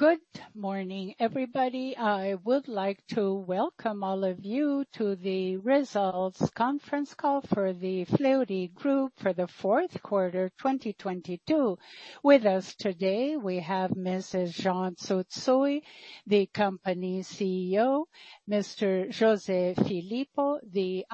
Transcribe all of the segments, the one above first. Good morning, everybody. I would like to welcome all of you to the results conference call for the Fleury Group for the Q4 2022. With us today we have Mrs. Jeane Tsutsui, the company CEO, Mr. José Filippo, the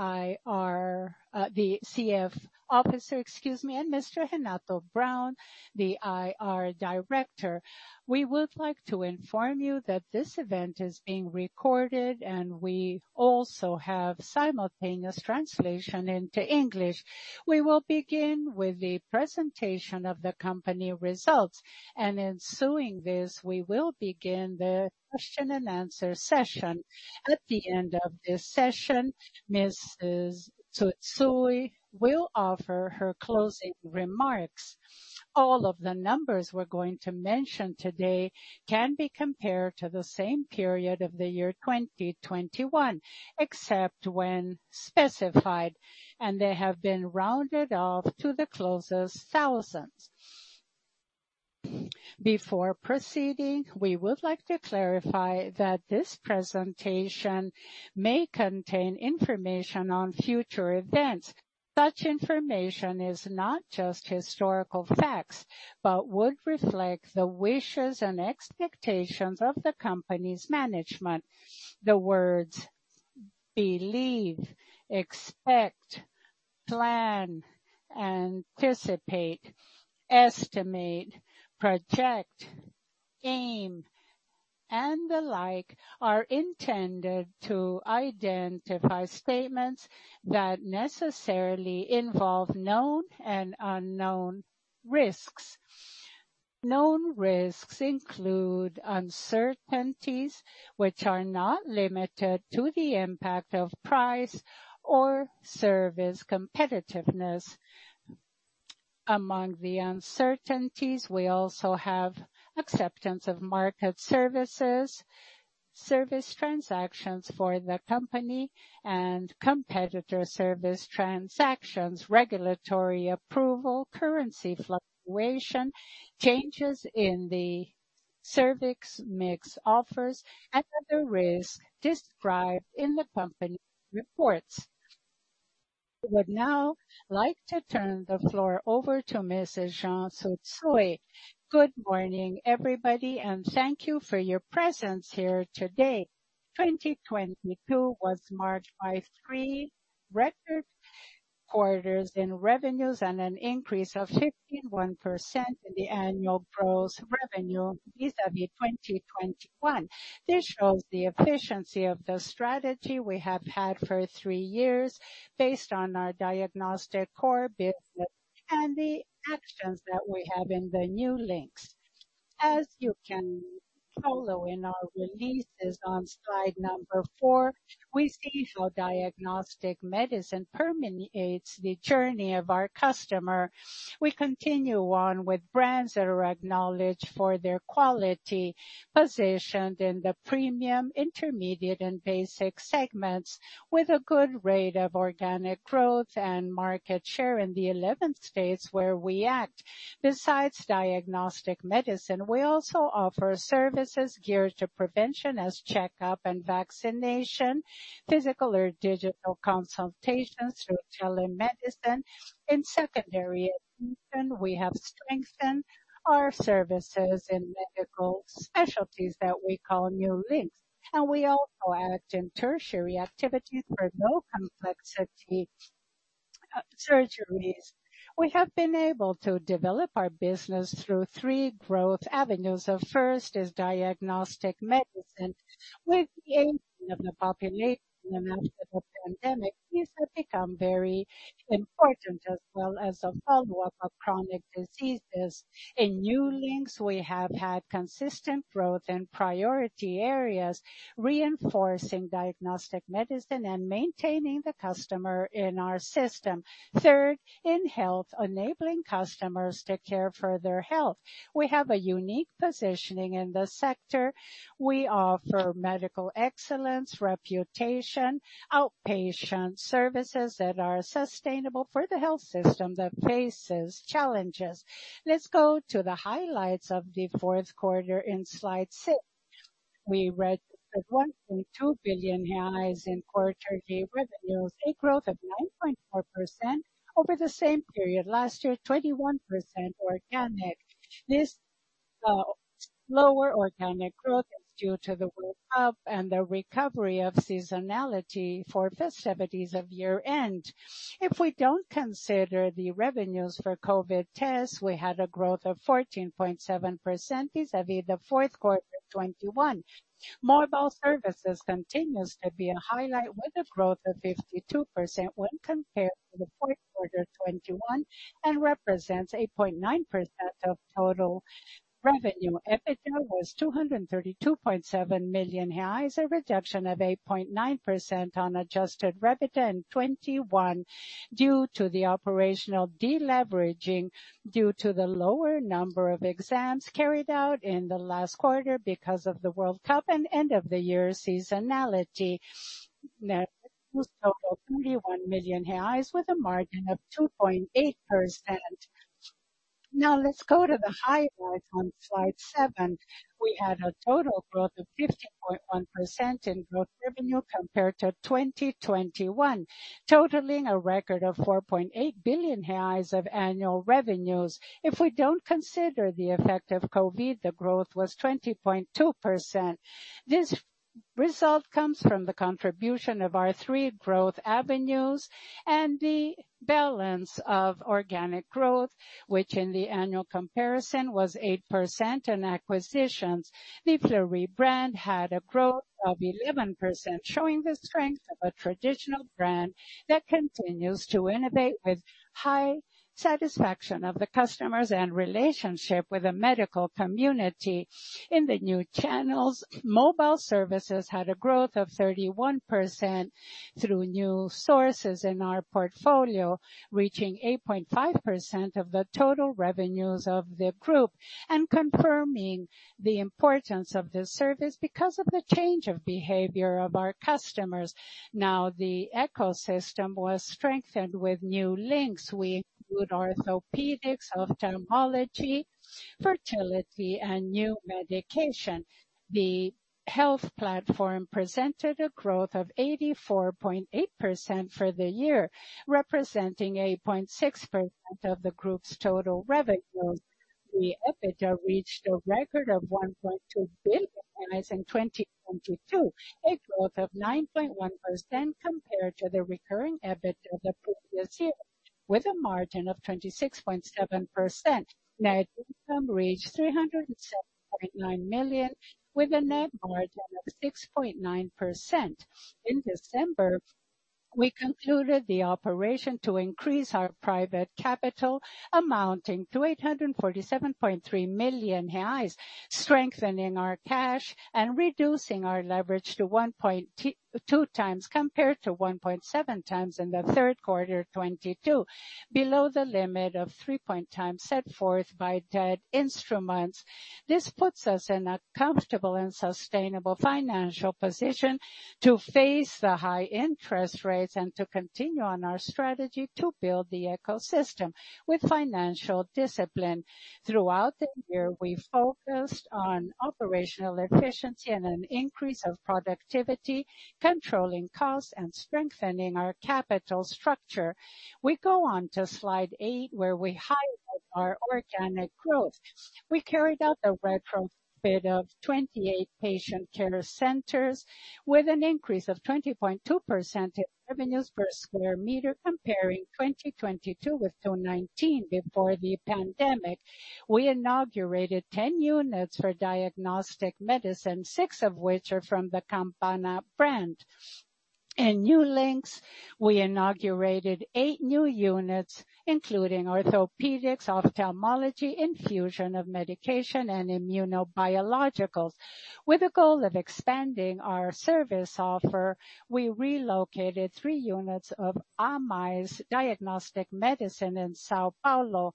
CF officer, excuse me, and Mr. Renato Braun, the IR director. We would like to inform you that this event is being recorded. We also have simultaneous translation into English. We will begin with the presentation of the company results. Ensuing this, we will begin the question and answer session. At the end of this session, Mrs. Tsutsui will offer her closing remarks. All of the numbers we're going to mention today can be compared to the same period of the year 2021, except when specified, and they have been rounded off to the closest thousands. Before proceeding, we would like to clarify that this presentation may contain information on future events. Such information is not just historical facts, but would reflect the wishes and expectations of the company's management. The words believe, expect, plan, anticipate, estimate, project, aim, and the like are intended to identify statements that necessarily involve known and unknown risks. Known risks include uncertainties which are not limited to the impact of price or service competitiveness. Among the uncertainties, we also have acceptance of market services, service transactions for the company and competitor service transactions, regulatory approval, currency fluctuation, changes in the service mix offers, and other risks described in the company reports. I would now like to turn the floor over to Mrs. Jeane Tsutsui. Good morning, everybody, and thank you for your presence here today. 2022 was marked by three record quarters in revenues and an increase of 51% in the annual gross revenue vis-à-vis 2021. This shows the efficiency of the strategy we have had for three years based on our diagnostic core business and the actions that we have in the New Links. As you can follow in our releases on slide number four, we see how diagnostic medicine permeates the journey of our customer. We continue on with brands that are acknowledged for their quality, positioned in the premium, intermediate, and basic segments with a good rate of organic growth and market share in the 11 states where we act. Besides diagnostic medicine, we also offer services geared to prevention as checkup and vaccination, physical or digital consultations through telemedicine. In secondary attention, we have strengthened our services in medical specialties that we call New Links, and we also act in tertiary activities for low complexity surgeries. We have been able to develop our business through three growth avenues. The first is diagnostic medicine. With the aging of the population in the midst of the pandemic, these have become very important as well as the follow-up of chronic diseases. In New Links, we have had consistent growth in priority areas, reinforcing diagnostic medicine and maintaining the customer in our system. Third, in health, enabling customers to care for their health. We have a unique positioning in the sector. We offer medical excellence, reputation, outpatient services that are sustainable for the health system that faces challenges. Let's go to the highlights of the Q4 in slide six. We registered 1.2 billion reais in Q3 revenues, a growth of 9.4% over the same period last year, 21% organic. This lower organic growth is due to the World Cup and the recovery of seasonality for festivities of year-end. If we don't consider the revenues for COVID tests, we had a growth of 14.7% vis-a-vis the Q4 2021. Mobile services continues to be a highlight with a growth of 52% when compared to the Q4 2021 and represents 8.9% of total revenue. EBITDA was 232.7 million, a reduction of 8.9% on adjusted EBITDA in 2021 due to the operational deleveraging due to the lower number of exams carried out in the last quarter because of the World Cup and end of the year seasonality. Net was total 31 million reais with a margin of 2.8%. Let's go to the highlights on slide seven. We had a total growth of 15.1% in growth revenue compared to 2021, totaling a record of 4.8 billion reais of annual revenues. If we don't consider the effect of COVID, the growth was 20.2%. This result comes from the contribution of our three growth avenues and the balance of organic growth, which in the annual comparison was 8% in acquisitions. The Fleury brand had a growth of 11%, showing the strength of a traditional brand that continues to innovate with high satisfaction of the customers and relationship with the medical community. In the new channels, mobile services had a growth of 31% through new sources in our portfolio, reaching 8.5% of the total revenues of the group. Confirming the importance of this service because of the change of behavior of our customers. The ecosystem was strengthened with New Links. We include orthopedics, ophthalmology, fertility and new medication. The health platform presented a growth of 84.8% for the year, representing 8.6% of the group's total revenues. The EBITDA reached a record of 1.2 billion in 2022, a growth of 9.1% compared to the recurring EBITDA the previous year, with a margin of 26.7%. Net income reached 307.9 million, with a net margin of 6.9%. In December, we concluded the operation to increase our private capital amounting to 847.3 million reais, strengthening our cash and reducing our leverage to 1.2x compared to 1.7x in the Q3 2022. Below the limit of 3.0x set forth by debt instruments. This puts us in a comfortable and sustainable financial position to face the high interest rates and to continue on our strategy to build the ecosystem with financial discipline. Throughout the year, we focused on operational efficiency and an increase of productivity, controlling costs and strengthening our capital structure. We go on to slide 8, where we highlight our organic growth. We carried out a retrofit of 28 patient care centers with an increase of 20.2% in revenues per square meter comparing 2022 with 2019 before the pandemic. We inaugurated 10 units for diagnostic medicine, six of which are from the Campana brand. New Links, we inaugurated eight new units, including orthopedics, ophthalmology, infusion of medication and immunobiologicals. With the goal of expanding our service offer, we relocated three units of Hermes diagnostic medicine in São Paulo.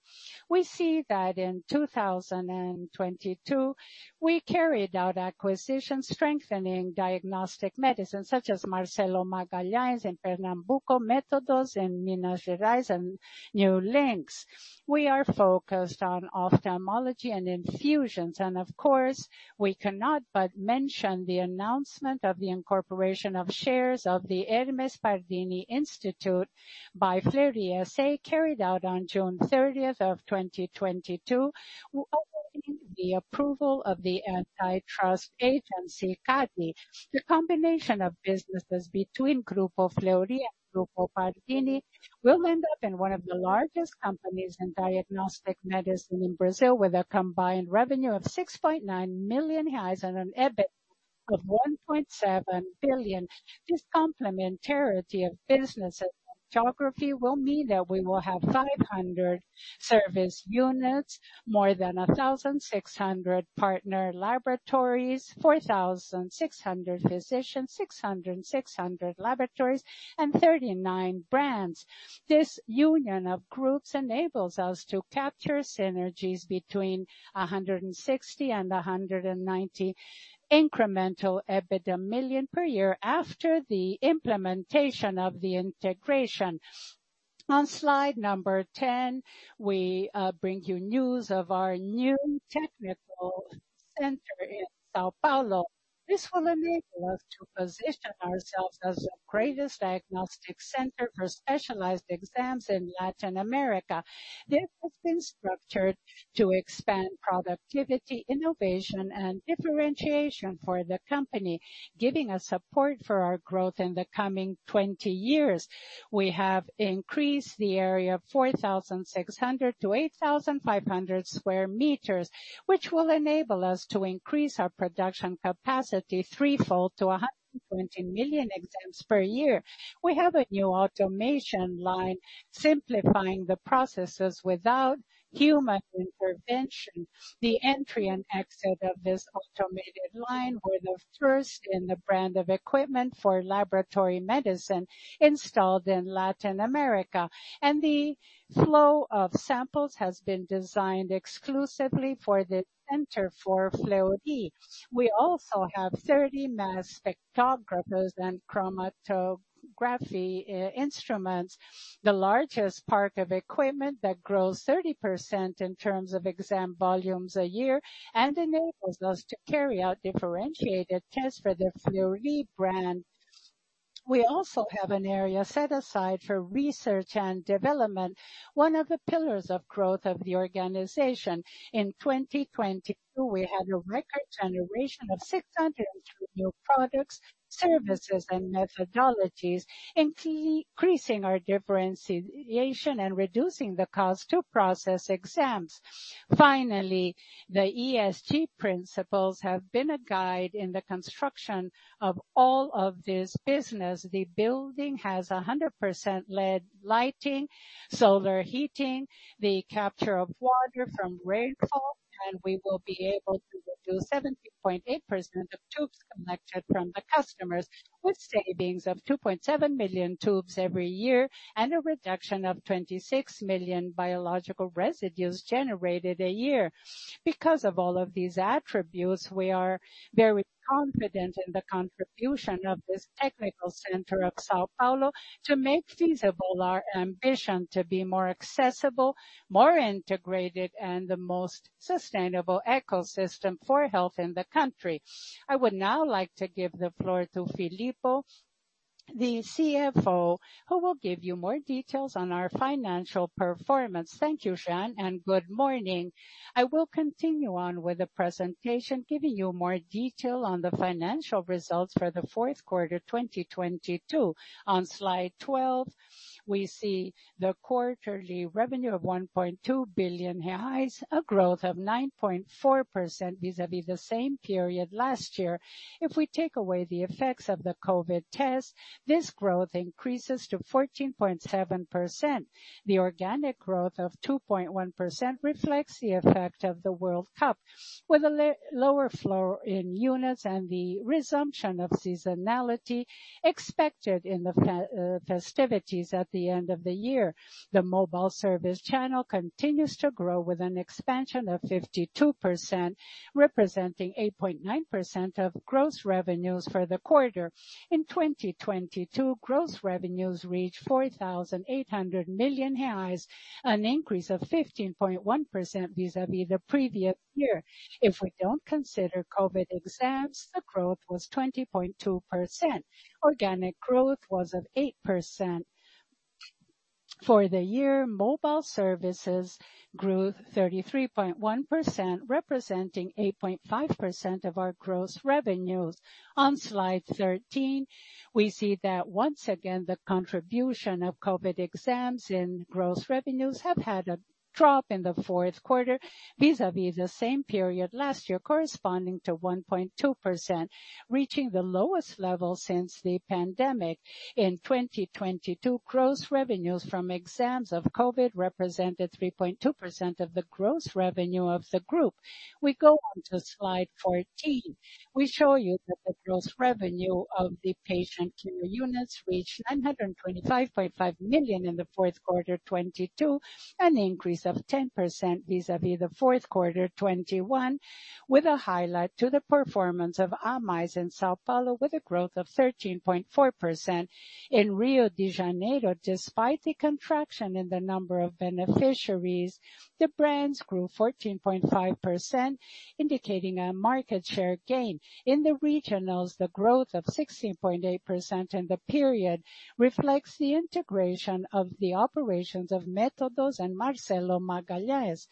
We see that in 2022, we carried out acquisitions strengthening diagnostic medicine such as Marcelo Magalhães in Pernambuco, Méthodos in Minas Gerais and New Links. We are focused on ophthalmology and infusions. Of course, we cannot but mention the announcement of the incorporation of shares of the Instituto Hermes Pardini by Fleury S.A., carried out on June 30th, 2022, awaiting the approval of the Antitrust Agency, CADE. The combination of businesses between Grupo Fleury and Grupo Pardini will end up in one of the largest companies in diagnostic medicine in Brazil, with a combined revenue of 6.9 million reais and an EBIT of 1.7 billion. This complementarity of businesses geography will mean that we will have 500 service units, more than 1,600 partner laboratories, 4,600 physicians, 600 laboratories, and 39 brands. This union of groups enables us to capture synergies between 160 million and 190 million incremental EBITDA per year after the implementation of the integration. On slide number 10, we bring you news of our new technical center in São Paulo. This will enable us to position ourselves as the greatest diagnostic center for specialized exams in Latin America. This has been structured to expand productivity, innovation and differentiation for the company, giving us support for our growth in the coming 20 years. We have increased the area of 4,600 to 8,500 square meters, which will enable us to increase our production capacity threefold to 120 million exams per year. We have a new automation line simplifying the processes without human intervention. The entry and exit of this automated line were the first in the brand of equipment for laboratory medicine installed in Latin America. The flow of samples has been designed exclusively for the center for Fleury. We also have 30 mass spectrometers and chromatography instruments. The largest part of equipment that grows 30% in terms of exam volumes a year, and enables us to carry out differentiated tests for the Fleury brand. We also have an area set aside for research and development, one of the pillars of growth of the organization. In 2022, we had a record generation of 602 new products, services and methodologies, increasing our differentiation and reducing the cost to process exams. Finally, the ESG principles have been a guide in the construction of all of this business. The building has 100% LED lighting, solar heating, the capture of water from rainfall, and we will be able to reduce 70.8% of tubes collected from the customers, with savings of 2.7 million tubes every year and a reduction of 26 million biological residues generated a year. Because of all of these attributes, we are very confident in the contribution of this technical center of São Paulo to make feasible our ambition to be more accessible, more integrated, and the most sustainable ecosystem for health in the country. I would now like to give the floor to Filippo, the CFO, who will give you more details on our financial performance. Thank you, Jeane. Good morning. I will continue on with the presentation, giving you more detail on the financial results for the Q4, 2022. On slide 12, we see the quarterly revenue of 1.2 billion, a growth of 9.4% vis-à-vis the same period last year. If we take away the effects of the COVID test, this growth increases to 14.7%. The organic growth of 2.1% reflects the effect of the World Cup, with a lower flow in units and the resumption of seasonality expected in the festivities at the end of the year. The mobile service channel continues to grow with an expansion of 52%, representing 8.9% of gross revenues for the quarter. In 2022, gross revenues reached 4,800 million reais, an increase of 15.1% vis-à-vis the previous year. If we don't consider COVID exams, the growth was 20.2%. Organic growth was at 8%. For the year, mobile services grew 33.1%, representing 8.5% of our gross revenues. On slide 13, we see that once again, the contribution of COVID exams in gross revenues have had a drop in the Q4 vis-à-vis the same period last year, corresponding to 1.2%, reaching the lowest level since the pandemic. In 2022, gross revenues from exams of COVID represented 3.2% of the gross revenue of the group. We go onto slide 14. We show you that the gross revenue of the patient care units reached 925.5 million in the Q4 2022, an increase of 10% vis-à-vis the Q4 2021, with a highlight to the performance of Hermes in São Paulo with a growth of 13.4%. In Rio de Janeiro, despite the contraction in the number of beneficiaries, the brands grew 14.5%, indicating a market share gain. In the regionals, the growth of 16.8% in the period reflects the integration of the operations of Méthodos and Marcelo Magalhães.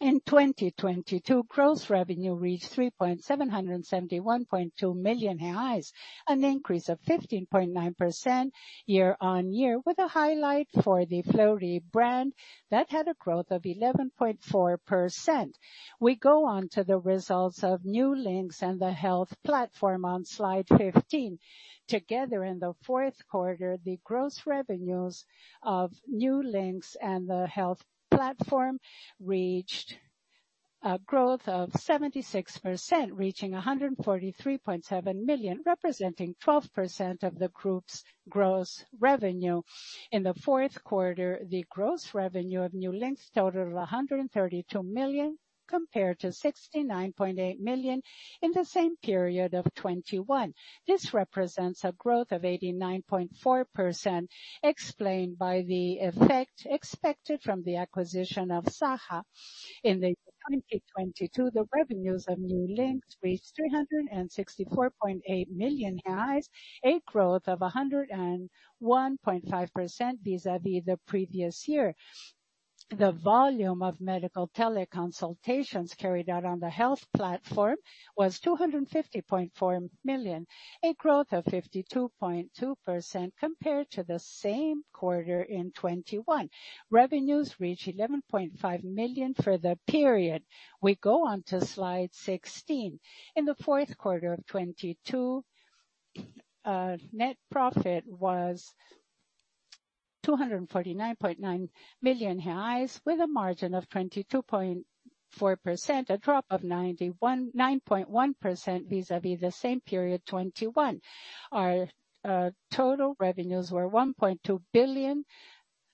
In 2022, gross revenue reached 3,771.2 million reais, an increase of 15.9% year-on-year with a highlight for the Fleury brand that had a growth of 11.4%. We go on to the results of New Links and the health platform on slide 15. Together, in the Q4, the gross revenues of New Links and the health platform reached a growth of 76%, reaching 143.7 million, representing 12% of the group's gross revenue. In the Q4, the gross revenue of New Links totaled 132 million, compared to 69.8 million in the same period of 2021. This represents a growth of 89.4%, explained by the effect expected from the acquisition of Saha. In 2022, the revenues of New Links reached 364.8 million, a growth of 101.5% vis-à-vis the previous year. The volume of medical teleconsultations carried out on the health platform was 250.4 million, a growth of 52.2% compared to the same quarter in 2021. Revenues reached 11.5 million for the period. We go on to slide 16. In the Q4 of 2022. Our net profit was 249.9 million reais, with a margin of 22.4%, a drop of 9.1% vis-à-vis the same period 2021. Our total revenues were 1.2 billion,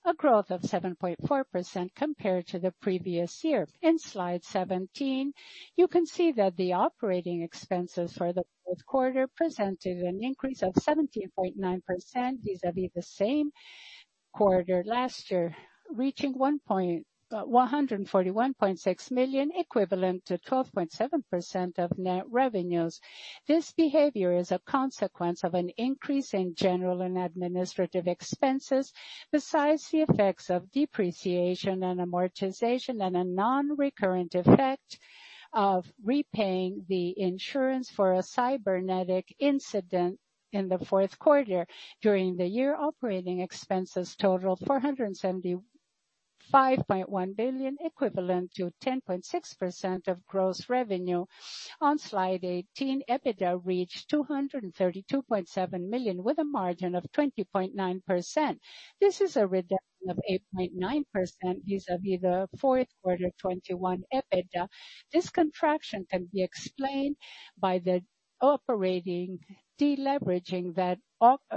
a growth of 7.4% compared to the previous year. In slide 17, you can see that the operating expenses for the Q4 presented an increase of 17.9% vis-a-vis the same quarter last year, reaching 141.6 million, equivalent to 12.7% of net revenues. This behavior is a consequence of an increase in general and administrative expenses, besides the effects of depreciation and amortization and a non-recurrent effect of repaying the insurance for a cybernetic incident in the Q4. During the year, operating expenses totaled 475.1 billion, equivalent to 10.6% of gross revenue. On slide 18, EBITDA reached 232.7 million, with a margin of 20.9%. This is a reduction of 8.9% vis-a-vis the Q4 2021 EBITDA. This contraction can be explained by the operating deleveraging that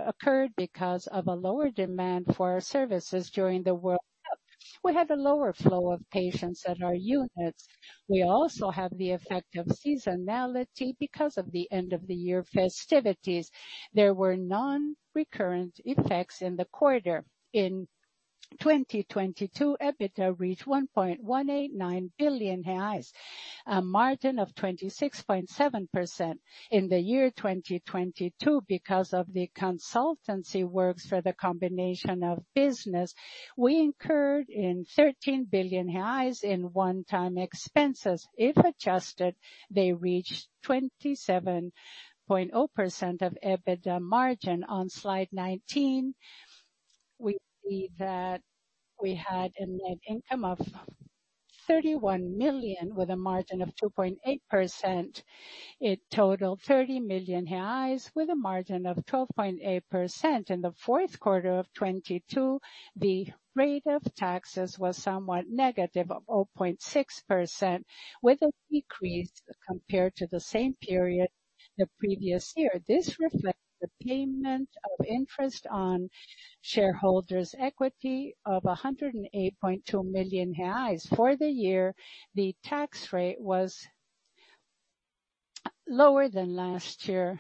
occurred because of a lower demand for our services during the World Cup. We had a lower flow of patients at our units. We also have the effect of seasonality because of the end of the year festivities. There were non-recurrent effects in the quarter. In 2022, EBITDA reached 1.189 billion reais, a margin of 26.7%. In the year 2022, because of the consultancy works for the combination of business, we incurred in 13 billion reais in one-time expenses. If adjusted, they reached 27.0% of EBITDA margin. On slide 19, we see that we had a net income of 31 million, with a margin of 2.8%. It totaled 30 million reais with a margin of 12.8%. In the Q4 of 2022, the rate of taxes was somewhat negative of 0.6%, with a decrease compared to the same period the previous year. This reflects the payment of interest on shareholders equity of 108.2 million reais. For the year, the tax rate was lower than last year,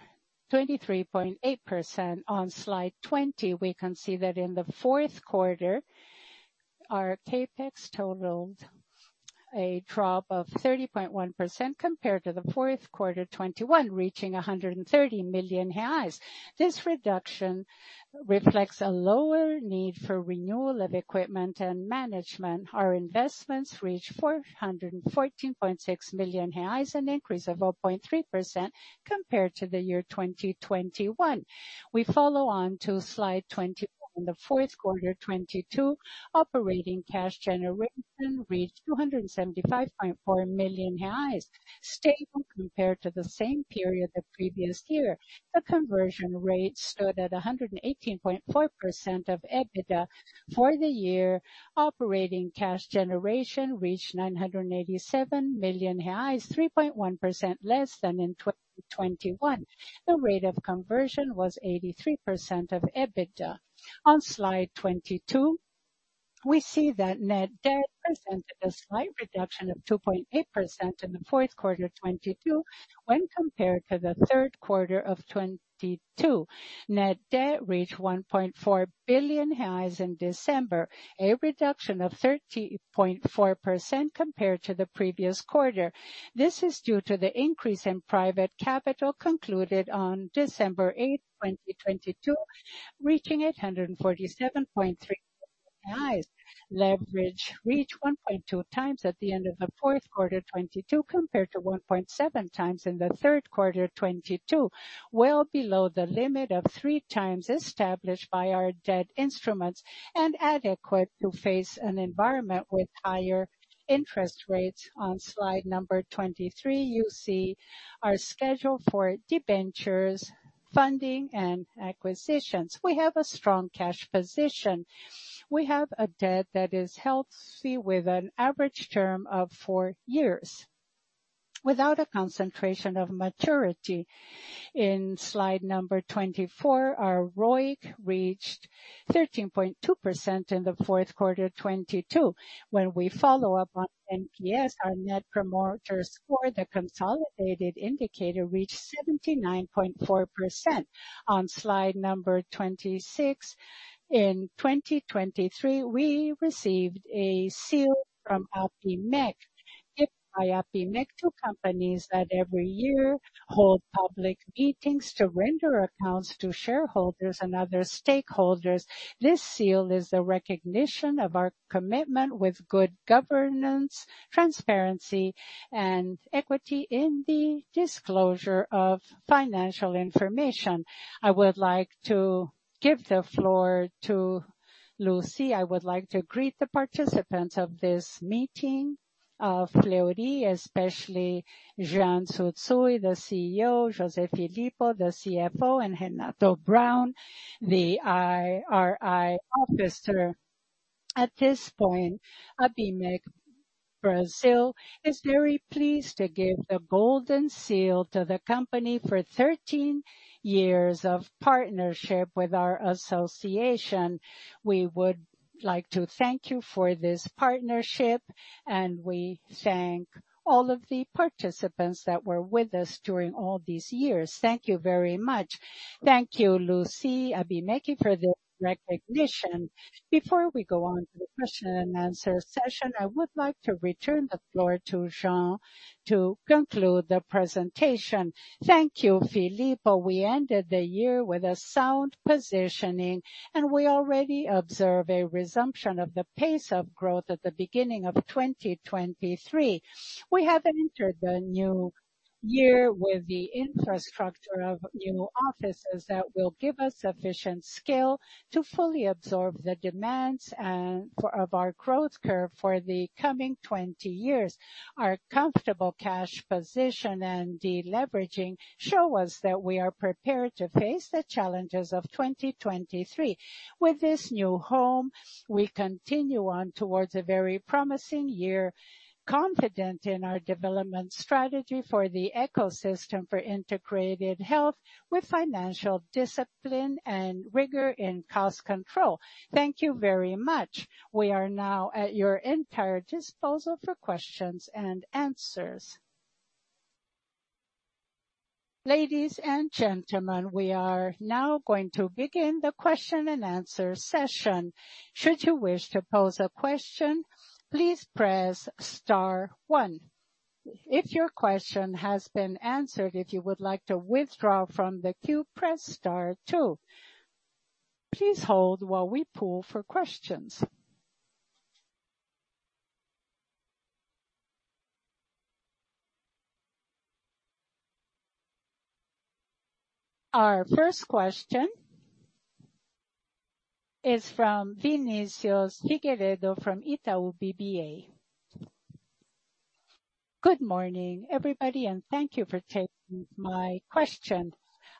23.8%. On slide 20, we can see that in the Q4, our CapEx totaled a drop of 30.1% compared to the Q4 2021, reaching 130 million reais. This reduction reflects a lower need for renewal of equipment and management. Our investments reached 414.6 million reais, an increase of 0.3% compared to the year 2021. We follow on to slide 24. In the Q4 2022, operating cash generation reached 275.4 million reais, stable compared to the same period the previous year. The conversion rate stood at 118.4% of EBITDA. For the year, operating cash generation reached 987 million reais, 3.1% less than in 2021. The rate of conversion was 83% of EBITDA. On slide 22, we see that net debt presented a slight reduction of 2.8% in the Q4 2022 when compared to the Q3 of 2022. Net debt reached 1.4 billion in December, a reduction of 13.4% compared to the previous quarter. This is due to the increase in private capital concluded on December 8th, 2022, reaching 847.3. Leverage reached 1.2x at the end of the Q4 2022 compared to 1.7x in the Q3 2022, well below the limit of 3x established by our debt instruments and adequate to face an environment with higher interest rates. On slide number 23, you see our schedule for debentures, funding, and acquisitions. We have a strong cash position. We have a debt that is healthy with an average term off four years without a concentration of maturity. In slide number 24, our ROIC reached 13.2% in the Q4 2022. When we follow up on NPS, our Net Promoter Score, the consolidated indicator reached 79.4%. On slide number 26, in 2023, we received a seal from APIMEC, given by APIMEC to companies that every year hold public meetings to render accounts to shareholders and other stakeholders. This seal is a recognition of our commitment with good governance, transparency, and equity in the disclosure of financial information. I would like to give the floor to Lucy. I would like to greet the participants of this meeting of Fleury, especially Jeane Tsutsui, the CEO, José Filippo, the CFO, and Renato Braun, the IR officer. At this point, APIMEC Brasil is very pleased to give the golden seal to the company for 13 years of partnership with our association. We would like to thank you for this partnership, and we thank all of the participants that were with us during all these years. Thank you very much. Thank you, Lucy Abimeci, for the recognition. Before we go on to the question and answer session, I would like to return the floor to Jeane to conclude the presentation. Thank you, Filippo. We ended the year with a sound positioning. We already observe a resumption of the pace of growth at the beginning of 2023. We have entered the new year with the infrastructure of new offices that will give us sufficient scale to fully absorb the demands of our growth curve for the coming 20 years. Our comfortable cash position and deleveraging show us that we are prepared to face the challenges of 2023. With this new home, we continue on towards a very promising year, confident in our development strategy for the ecosystem for integrated health with financial discipline and rigor in cost control. Thank you very much. We are now at your entire disposal for questions and answers. Ladies and gentlemen, we are now going to begin the question and answer session. Should you wish to pose a question, please press star one. If your question has been answered, if you would like to withdraw from the queue, press star two. Please hold while we pool for questions. Our first question is from Vinicius Figueiredo from Itaú BBA. Good morning, everybody, thank you for taking my question.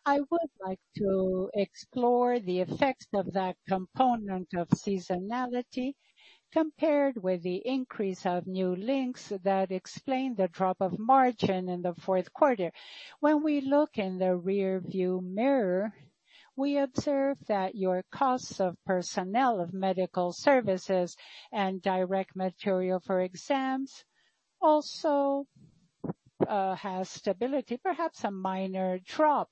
I would like to explore the effects of that component of seasonality compared with the increase of New Links that explain the drop of margin in the Q4. When we look in the rear view mirror, we observe that your costs of personnel, of medical services and direct material for exams also has stability, perhaps a minor drop.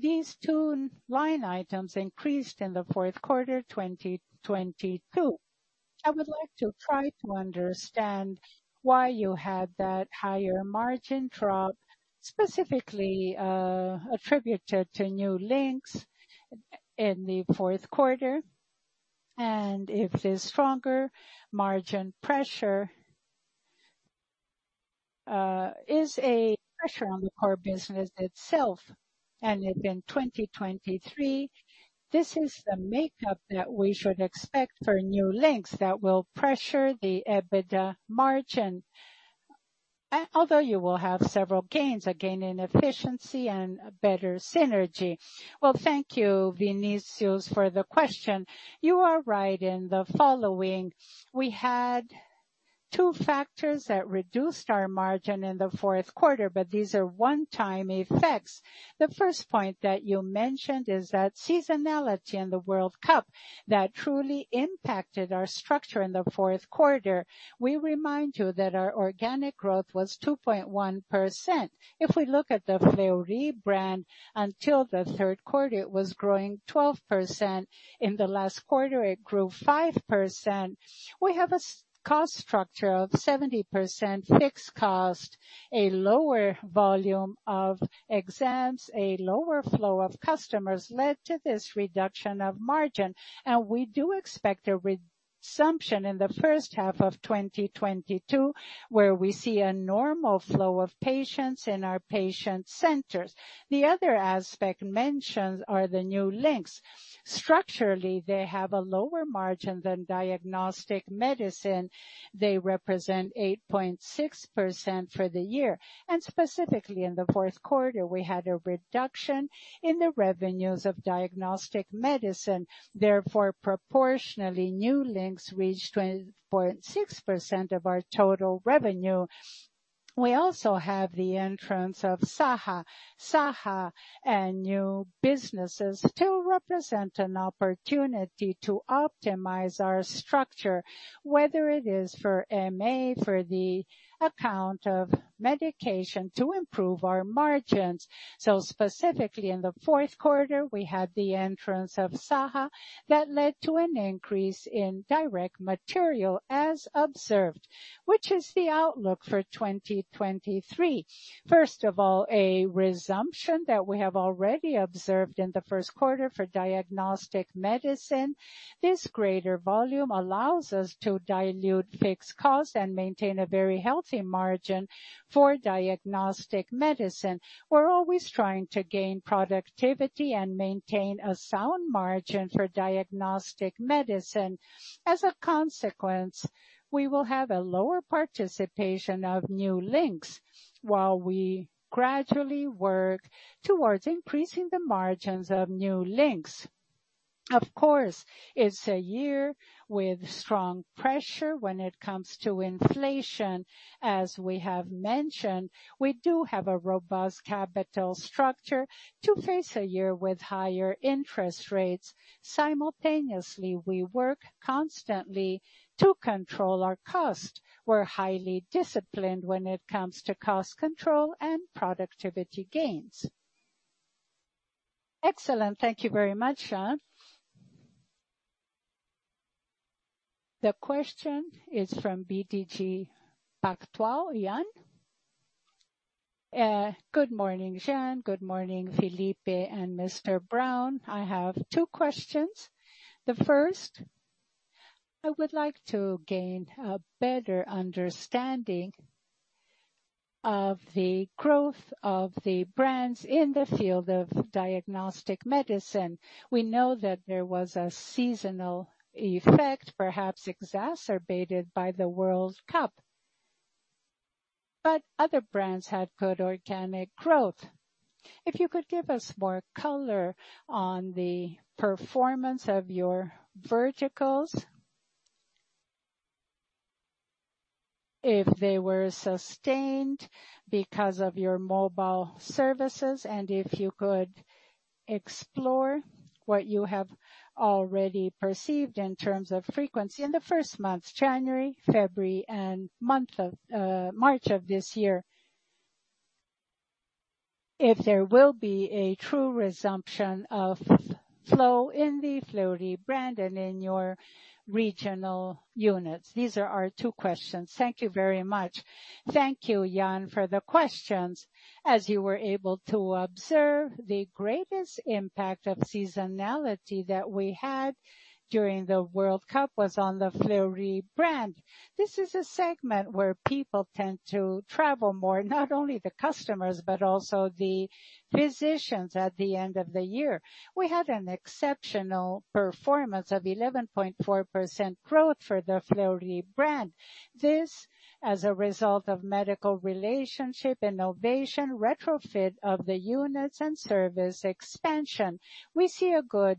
These two line items increased in the Q4, 2022. I would like to try to understand why you had that higher margin drop, specifically, attributed to New Links in the Q4, if this stronger margin pressure, is a pressure on the core business itself. If in 2023, this is the makeup that we should expect for New Links that will pressure the EBITDA margin, although you will have several gains, a gain in efficiency and better synergy. Thank you, Vinicius, for the question. You are right in the following. We had two factors that reduced our margin in the Q4, but these are one-time effects. The first point that you mentioned is that seasonality in the World Cup that truly impacted our structure in the Q4. We remind you that our organic growth was 2.1%. If we look at the Fleury brand, until the Q3, it was growing 12%. In the last quarter, it grew 5%. We have a cost structure of 70% fixed cost. A lower volume of exams, a lower flow of customers led to this reduction of margin. We do expect a resumption in the H1 of 2022, where we see a normal flow of patients in our patient centers. The other aspect mentioned are the New Links. Structurally, they have a lower margin than diagnostic medicine. They represent 8.6% for the year. Specifically in the Q4, we had a reduction in the revenues of diagnostic medicine. Therefore, proportionally, New Links reached 20.6% of our total revenue. We also have the entrance of Saha. Saha and new businesses still represent an opportunity to optimize our structure, whether it is for M&A, for the account of medication to improve our margins. Specifically in the Q4, we had the entrance of Saha. That led to an increase in direct material as observed, which is the outlook for 2023. First of all, a resumption that we have already observed in the Q1 for diagnostic medicine. This greater volume allows us to dilute fixed costs and maintain a very healthy margin for diagnostic medicine. We're always trying to gain productivity and maintain a sound margin for diagnostic medicine. As a consequence, we will have a lower participation of New Links while we gradually work towards increasing the margins of New Links. Of course, it's a year with strong pressure when it comes to inflation. As we have mentioned, we do have a robust capital structure to face a year with higher interest rates. Simultaneously, we work constantly to control our cost. We're highly disciplined when it comes to cost control and productivity gains. Excellent. Thank you very much Jeane. The question is from BTG Pactual, Jan. Good morning, Jeane. Good morning, Filippo and Mr. Braun. I have two questions. The first, I would like to gain a better understanding of the growth of the brands in the field of diagnostic medicine. We know that there was a seasonal effect, perhaps exacerbated by the World Cup, but other brands had good organic growth. If you could give us more color on the performance of your verticals. If they were sustained because of your mobile services, if you could explore what you have already perceived in terms of frequency in the first months, January, February, and March of this year. If there will be a true resumption of flow in the Fleury Brand and in your regional units. These are our two questions. Thank you very much. Thank you, Jan, for the questions. As you were able to observe, the greatest impact of seasonality that we had during the World Cup was on the Fleury Brand. This is a segment where people tend to travel more, not only the customers, but also the physicians at the end of the year. We had an exceptional performance of 11.4% growth for the Fleury Brand. This as a result of medical relationship, innovation, retrofit of the units and service expansion. We see a good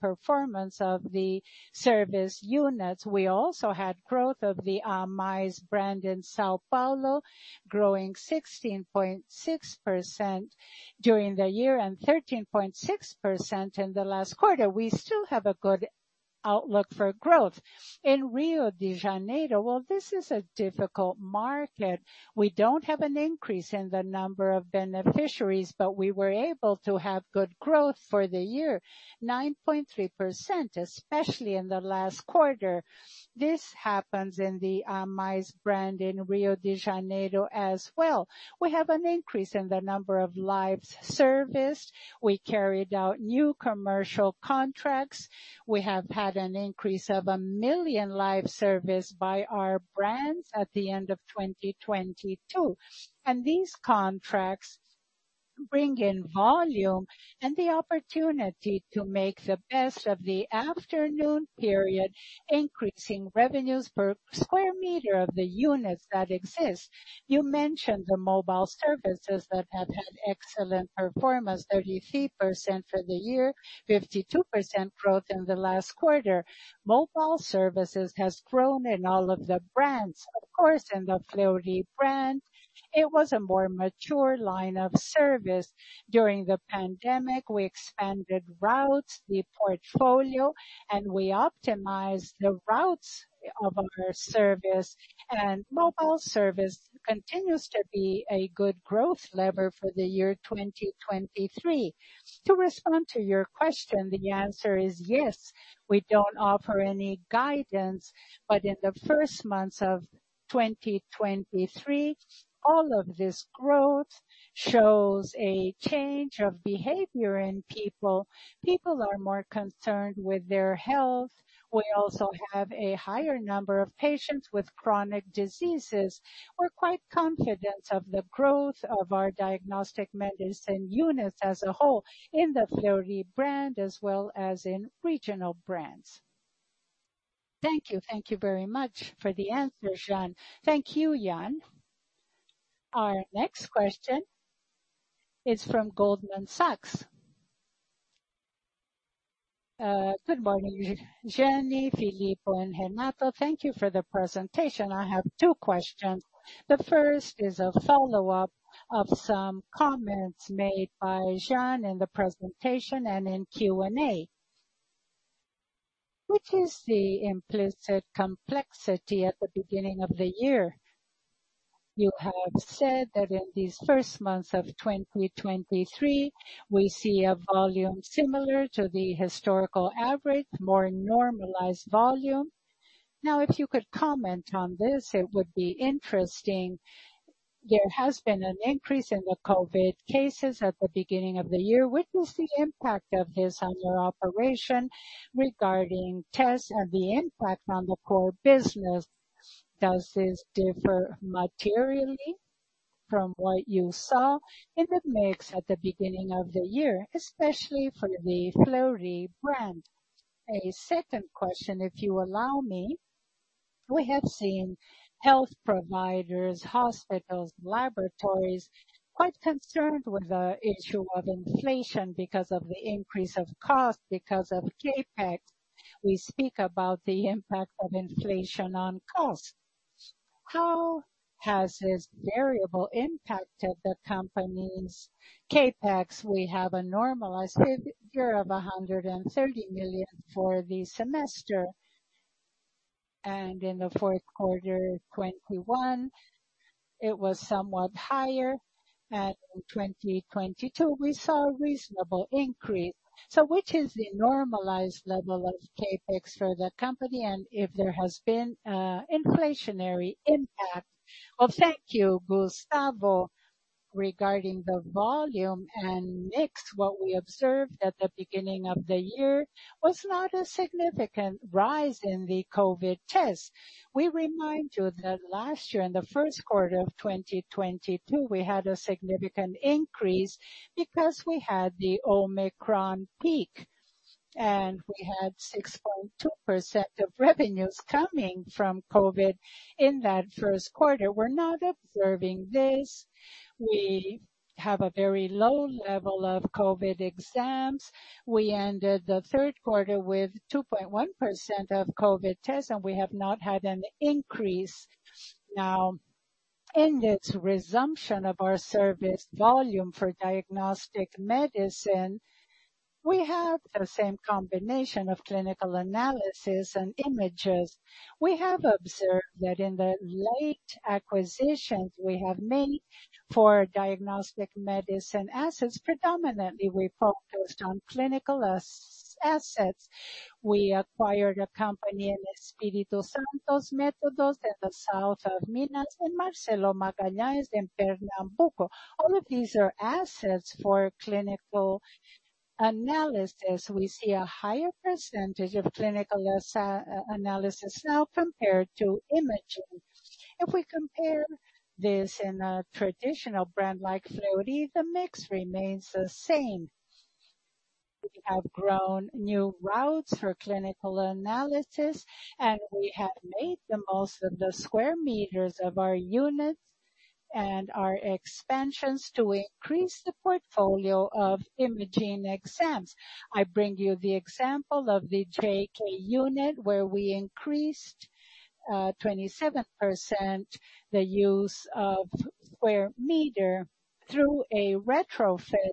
performance of the service units. We also had growth of the Hermes brand in São Paulo, growing 16.6% during the year and 13.6% in the last quarter. We still have a good outlook for growth. In Rio de Janeiro, well, this is a difficult market. We don't have an increase in the number of beneficiaries. We were able to have good growth for the year, 9.3%, especially in the last quarter. This happens in the Hermese brand in Rio de Janeiro as well. We have an increase in the number of lives serviced. We carried out new commercial contracts. We have had an increase of 1 million lives serviced by our brands at the end of 2022, and these contracts bring in volume and the opportunity to make the best of the afternoon period, increasing revenues per square meter of the units that exist. You mentioned the mobile services that have had excellent performance, 33% for the year, 52% growth in the last quarter. Mobile services has grown in all of the brands. Of course, in the Fleury Brand, it was a more mature line of service. During the pandemic, we expanded routes, the portfolio, and we optimized the routes of our service. Mobile service continues to be a good growth lever for the year 2023. To respond to your question, the answer is yes. We don't offer any guidance, but in the first months of 2023, all of this growth shows a change of behavior in people. People are more concerned with their health. We also have a higher number of patients with chronic diseases. We're quite confident of the growth of our diagnostic medicine units as a whole in the Fleury Brand as well as in regional brands. Thank you. Thank you very much for the answer, Jeane. Thank you, Jan. Our next question is from Goldman Sachs. Good morning, Jeane, Filippo, and Renato. Thank you for the presentation. I have two questions. The first is a follow-up of some comments made by Jeane in the presentation and in Q&A. What is the implicit complexity at the beginning of the year? You have said that in these first months of 2023, we see a volume similar to the historical average, more normalized volume. Now, if you could comment on this, it would be interesting. There has been an increase in the COVID cases at the beginning of the year. What is the impact of this on your operation regarding tests and the impact on the core business? Does this differ materially from what you saw in the mix at the beginning of the year, especially for the Fleury Brand? A second question, if you allow me. We have seen health providers, hospitals, laboratories quite concerned with the issue of inflation because of the increase of cost, because of CapEx. We speak about the impact of inflation on cost. How has this variable impacted the company's CapEx? We have a normalized figure of 130 million for the semester. In the Q4 2021 it was somewhat higher. In 2022 we saw a reasonable increase. Which is the normalized level of CapEx for the company and if there has been inflationary impact? Thank you, Gustavo. Regarding the volume and mix, what we observed at the beginning of the year was not a significant rise in the COVID tests. We remind you that last year, in the Q1 2022, we had a significant increase because we had the Omicron peak and we had 6.2% of revenues coming from COVID in that Q1. We're not observing this. We have a very low level of COVID exams. We ended the Q3 with 2.1% of COVID tests, and we have not had an increase. Now, in this resumption of our service volume for diagnostic medicine, we have the same combination of clinical analysis and images. We have observed that in the late acquisitions we have made for diagnostic medicine assets, predominantly we focused on clinical assets. We acquired a company in Espírito Santo's Méthodos in the south of Minas and Marcelo Magalhães in Pernambuco. All of these are assets for clinical analysis. We see a higher percentage of clinical analysis now compared to imaging. If we compare this in a traditional brand like Fleury, the mix remains the same. We have grown new routes for clinical analysis and we have made the most of the square meters of our units and our expansions to increase the portfolio of imaging exams. I bring you the example of the J.K. unit, where we increased 27% the use of square meter through a retrofit.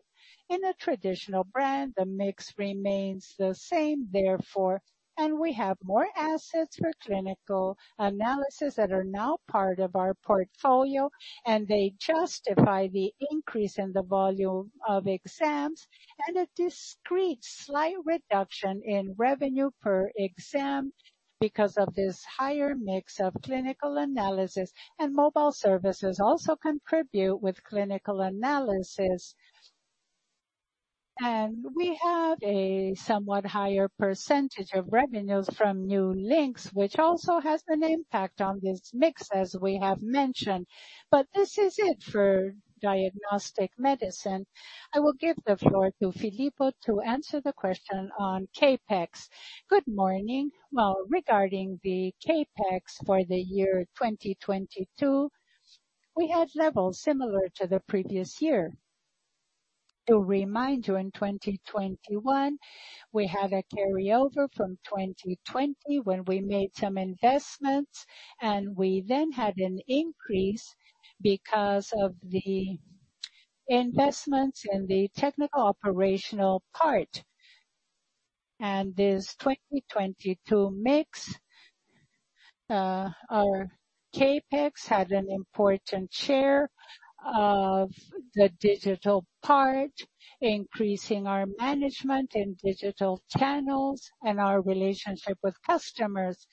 In a traditional brand, the mix remains the same therefore. We have more assets for clinical analysis that are now part of our portfolio, and they justify the increase in the volume of exams and a discrete slight reduction in revenue per exam because of this higher mix of clinical analysis. Mobile services also contribute with clinical analysis. We have a somewhat higher percentage of revenues from New Links, which also has an impact on this mix as we have mentioned. This is it for diagnostic medicine. I will give the floor to Filippo to answer the question on CapEx. Good morning. Well, regarding the CapEx for the year 2022, we had levels similar to the previous year. To remind you, in 2021 we had a carryover from 2020 when we made some investments. We then had an increase because of the investments in the technical operational part. This 2022 mix, our CapEx had an important share of the digital part, increasing our management in digital channels and our relationship with customers.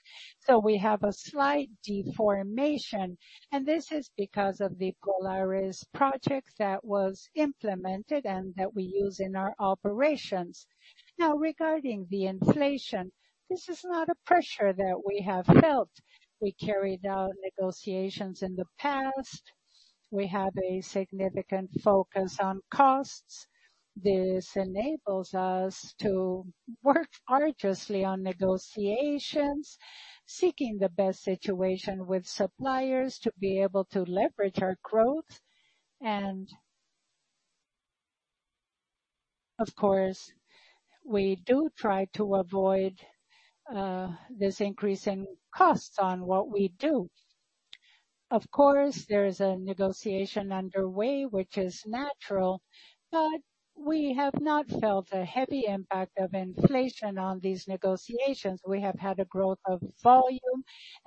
We have a slight deformation and this is because of the Polaris project that was implemented and that we use in our operations. Now regarding the inflation, this is not a pressure that we have felt. We carried out negotiations in the past. We have a significant focus on costs. This enables us to work arduously on negotiations, seeking the best situation with suppliers to be able to leverage our growth. Of course, we do try to avoid this increase in costs on what we do. Of course, there is a negotiation underway, which is natural, but we have not felt a heavy impact of inflation on these negotiations. We have had a growth of volume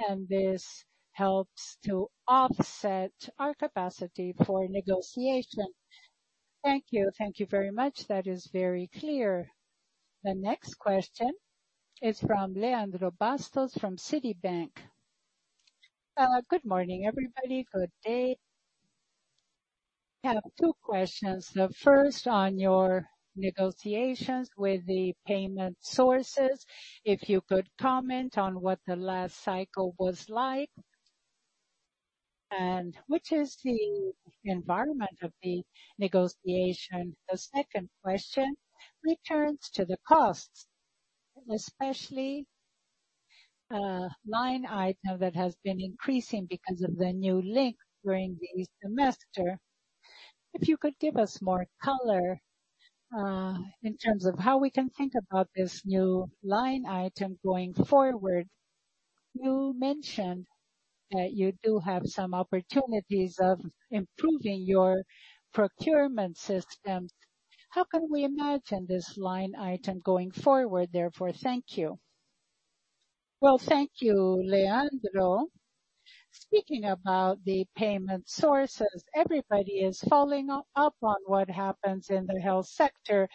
and this helps to offset our capacity for negotiation. Thank you. Thank you very much. That is very clear. The next question is from Leandro Bastos from Citi. Good morning, everybody. Good day. I have two questions. The first on your negotiations with the payment sources. If you could comment on what the last cycle was like and which is the environment of the negotiation? The second question returns to the costs, especially, line item that has been increasing because of the New Links during the semester. If you could give us more color in terms of how we can think about this new line item going forward. You mentioned that you do have some opportunities of improving your procurement system. How can we imagine this line item going forward? Thank you. Well, thank you, Leandro. Speaking about the payment sources, everybody is following up on what happens in the health sector,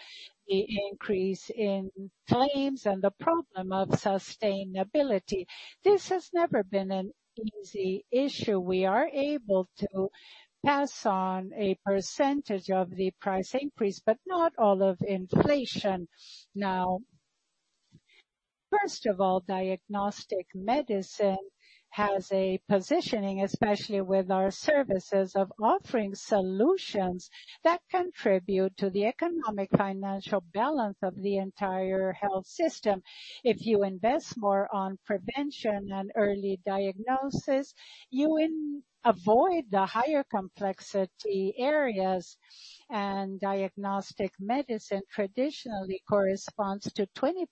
the increase in claims, and the problem of sustainability. This has never been an easy issue. We are able to pass on a percentage of the price increase, but not all of inflation. First of all, diagnostic medicine has a positioning, especially with our services, of offering solutions that contribute to the economic-financial balance of the entire health system. If you invest more on prevention and early diagnosis, you will avoid the higher complexity areas. Diagnostic medicine traditionally corresponds to 20%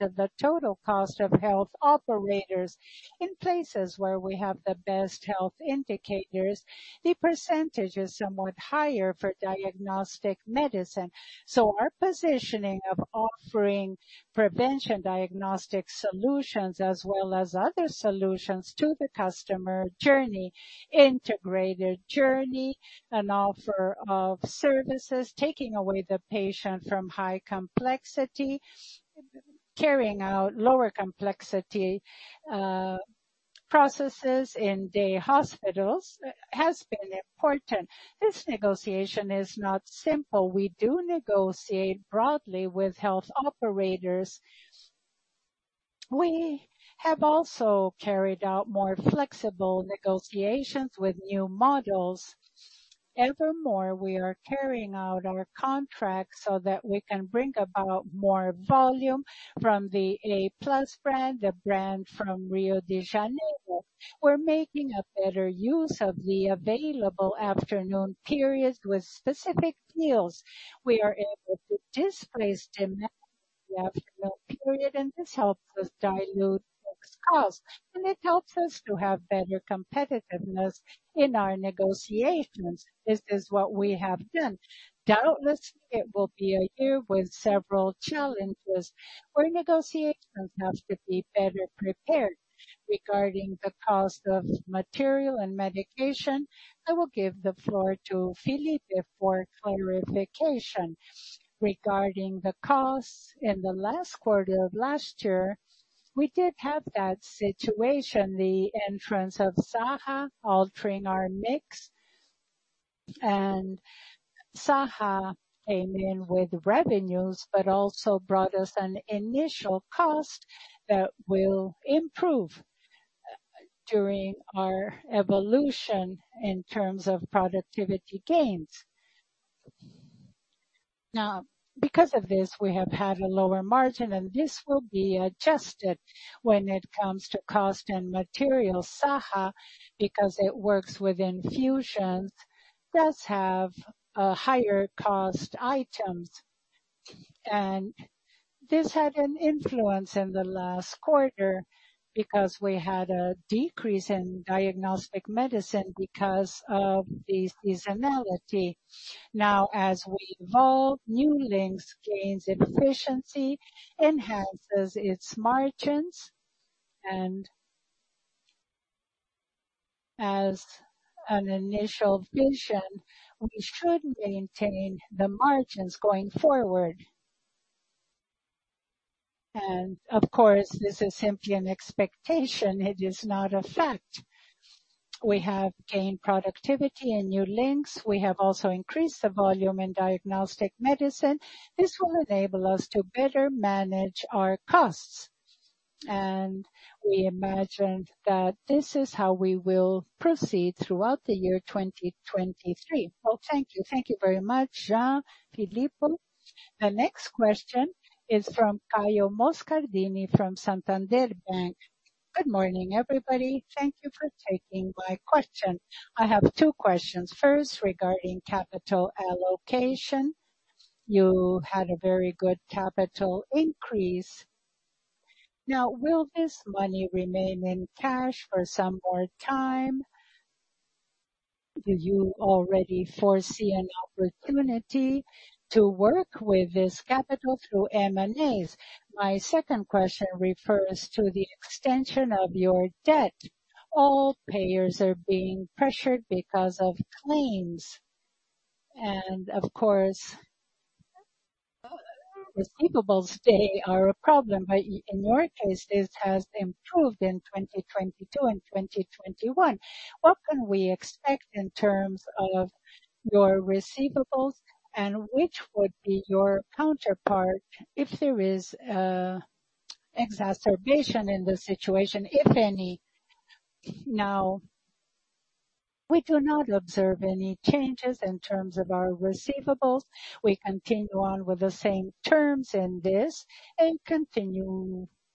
of the total cost of health operators. In places where we have the best health indicators, the percentage is somewhat higher for diagnostic medicine. Our positioning of offering prevention diagnostic solutions as well as other solutions to the customer journey, integrated journey, an offer of services, taking away the patient from high complexity, carrying out lower complexity processes in day hospitals has been important. This negotiation is not simple. We do negotiate broadly with health operators. We have also carried out more flexible negotiations with new models. Evermore, we are carrying out our contracts so that we can bring about more volume from the a+ brand, a brand from Rio de Janeiro. We're making a better use of the available afternoon periods with specific fields. We are able to displace demand in the afternoon period, and this helps us dilute fixed costs, and it helps us to have better competitiveness in our negotiations. This is what we have done. Doubtless, it will be a year with several challenges where negotiations have to be better prepared. Regarding the cost of material and medication, I will give the floor to Felipe for clarification. Regarding the costs in the last quarter of last year, we did have that situation, the entrance of Saha altering our mix. Saha came in with revenues, but also brought us an initial cost that will improve during our evolution in terms of productivity gains. Because of this, we have had a lower margin, and this will be adjusted when it comes to cost and material. Saha, because it works with infusions, does have higher cost items. This had an influence in the last quarter because we had a decrease in diagnostic medicine because of the seasonality. As we evolve, New Links gains efficiency, enhances its margins. As an initial vision, we should maintain the margins going forward. Of course, this is simply an expectation. It is not a fact. We have gained productivity in New Links. We have also increased the volume in diagnostic medicine. This will enable us to better manage our costs. We imagined that this is how we will proceed throughout the year 2023. Well, thank you. Thank you very much, Jean, Filippo. The next question is from Caio Moscardini from Santander Bank. Good morning, everybody. Thank you for taking my question. I have two questions. First, regarding capital allocation. You had a very good capital increase. Now, will this money remain in cash for some more time? Do you already foresee an opportunity to work with this capital through M&As? My second question refers to the extension of your debt. All payers are being pressured because of claims. Of course, receivables today are a problem. In your case, this has improved in 2022 and 2021. What can we expect in terms of your receivables, and which would be your counterpart if there is exacerbation in the situation, if any? We do not observe any changes in terms of our receivables. We continue on with the same terms in this and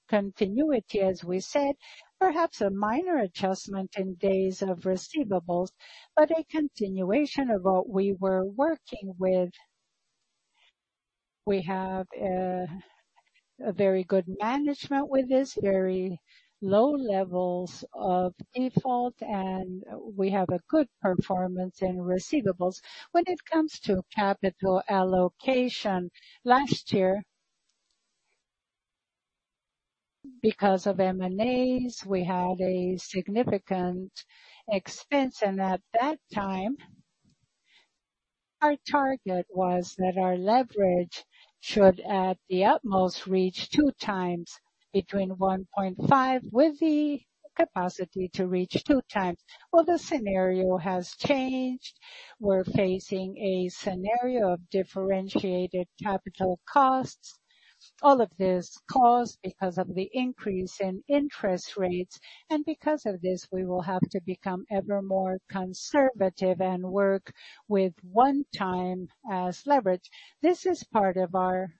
continuity, as we said, perhaps a minor adjustment in days of receivables, but a continuation of what we were working with. We have a very good management with this, very low levels of default, and we have a good performance in receivables. When it comes to capital allocation, last year, because of M&As we had a significant expense. At that time our target was that our leverage should, at the utmost, reach 2x between 1.5, with the capacity to reach 2x. The scenario has changed. We're facing a scenario of differentiated capital costs. This caused because of the increase in interest rates. Because of this, we will have to become ever more conservative and work with one time as leverage. This is part of our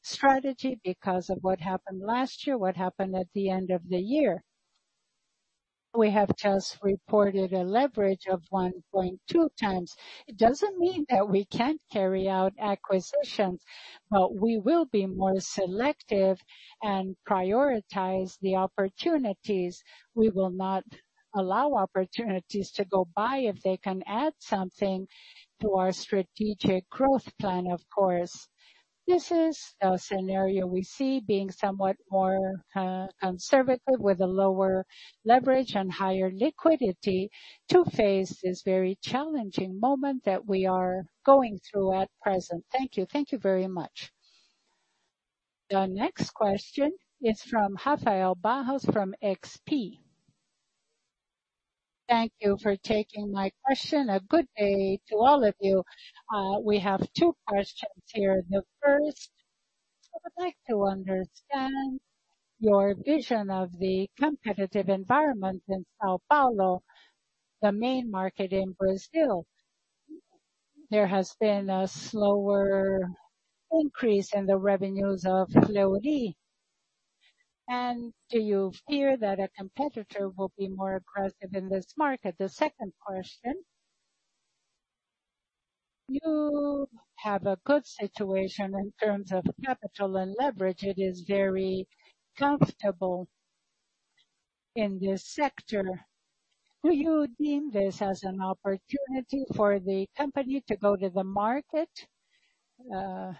strategy because of what happened last year, what happened at the end of the year. We have just reported a leverage of 1.2x. It doesn't mean that we can't carry out acquisitions, but we will be more selective and prioritize the opportunities. We will not allow opportunities to go by if they can add something to our strategic growth plan, of course. This is a scenario we see being somewhat more conservative with a lower leverage and higher liquidity to face this very challenging moment that we are going through at present. Thank you. Thank you very much. The next question is from Rafael Barros from XP. Thank you for taking my question. A good day to all of you. We have two questions here. The first, I would like to understand your vision of the competitive environment in São Paulo, the main market in Brazil. There has been a slower increase in the revenues of Fleury. Do you fear that a competitor will be more aggressive in this market? The second question, you have a good situation in terms of capital and leverage. It is very comfortable in this sector. Do you deem this as an opportunity for the company to go to the market,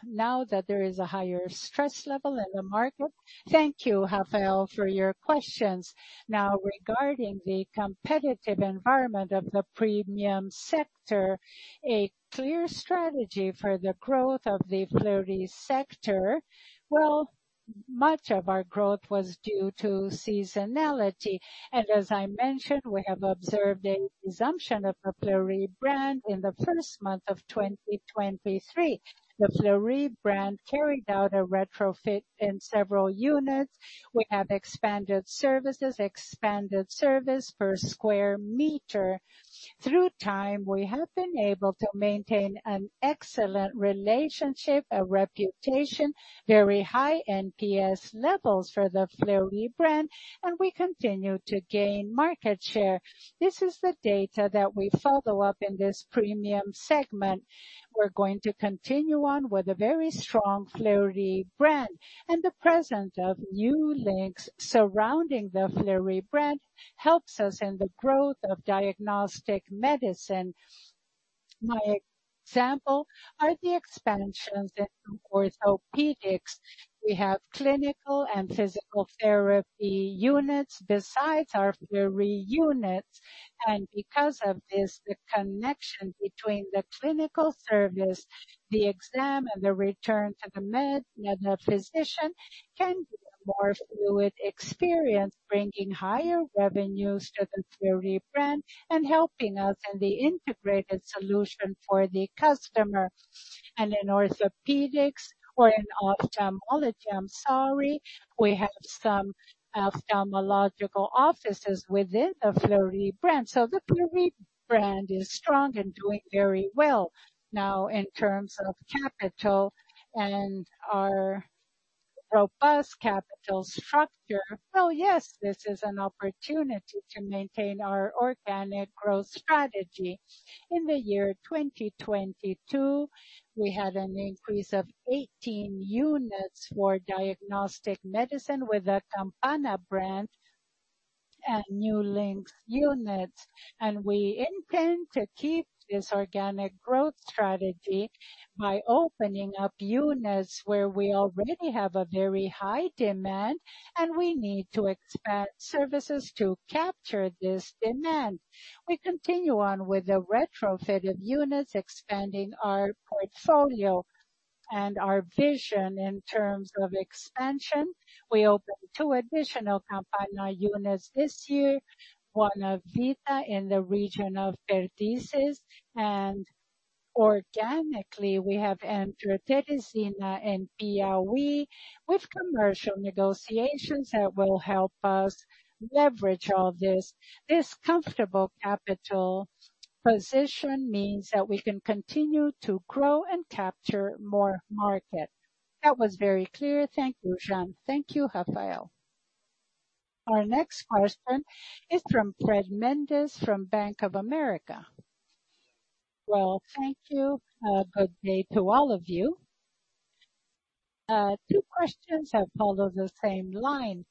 now that there is a higher stress level in the market? Thank you, Rafael, for your questions. Regarding the competitive environment of the premium sector, a clear strategy for the growth of the Fleury sector. Much of our growth was due to seasonality, and as I mentioned, we have observed a resumption of the Fleury brand in the first month of 2023. The Fleury brand carried out a retrofit in several units. We have expanded services, expanded service per square meter. Through time, we have been able to maintain an excellent relationship, a reputation, very high NPS levels for the Fleury brand, and we continue to gain market share. This is the data that we follow up in this premium segment. We're going to continue on with a very strong Fleury brand and the presence of New Links surrounding the Fleury brand helps us in the growth of diagnostic medicine. My example are the expansions into orthopedics. We have clinical and physical therapy units besides our Fleury units. Because of this, the connection between the clinical service, the exam, and the return to the med, the physician can be a more fluid experience, bringing higher revenues to the Fleury brand and helping us in the integrated solution for the customer. In orthopedics or in ophthalmology, I'm sorry, we have some ophthalmological offices within the Fleury brand. The Fleury brand is strong and doing very well. Now in terms of capital and our robust capital structure. Yes, this is an opportunity to maintain our organic growth strategy. In the year 2022, we had an increase of 18 units for diagnostic medicine with the Campana brand and New Links units. We intend to keep this organic growth strategy by opening up units where we already have a very high demand, and we need to expand services to capture this demand. We continue on with the retrofitted units, expanding our portfolio and our vision in terms of expansion. We opened two additional Campana units this year, Buona Vita in the region of Perdizes. Organically, we have amtrietezina and Piauí with commercial negotiations that will help us leverage all this. This comfortable capital position means that we can continue to grow and capture more market. That was very clear. Thank you, Jeane. Thank you, Rafael. Our next question is from Fred Mendes from Bank of America. Well, thank you. Good day to all of you. Two questions that follow the same line.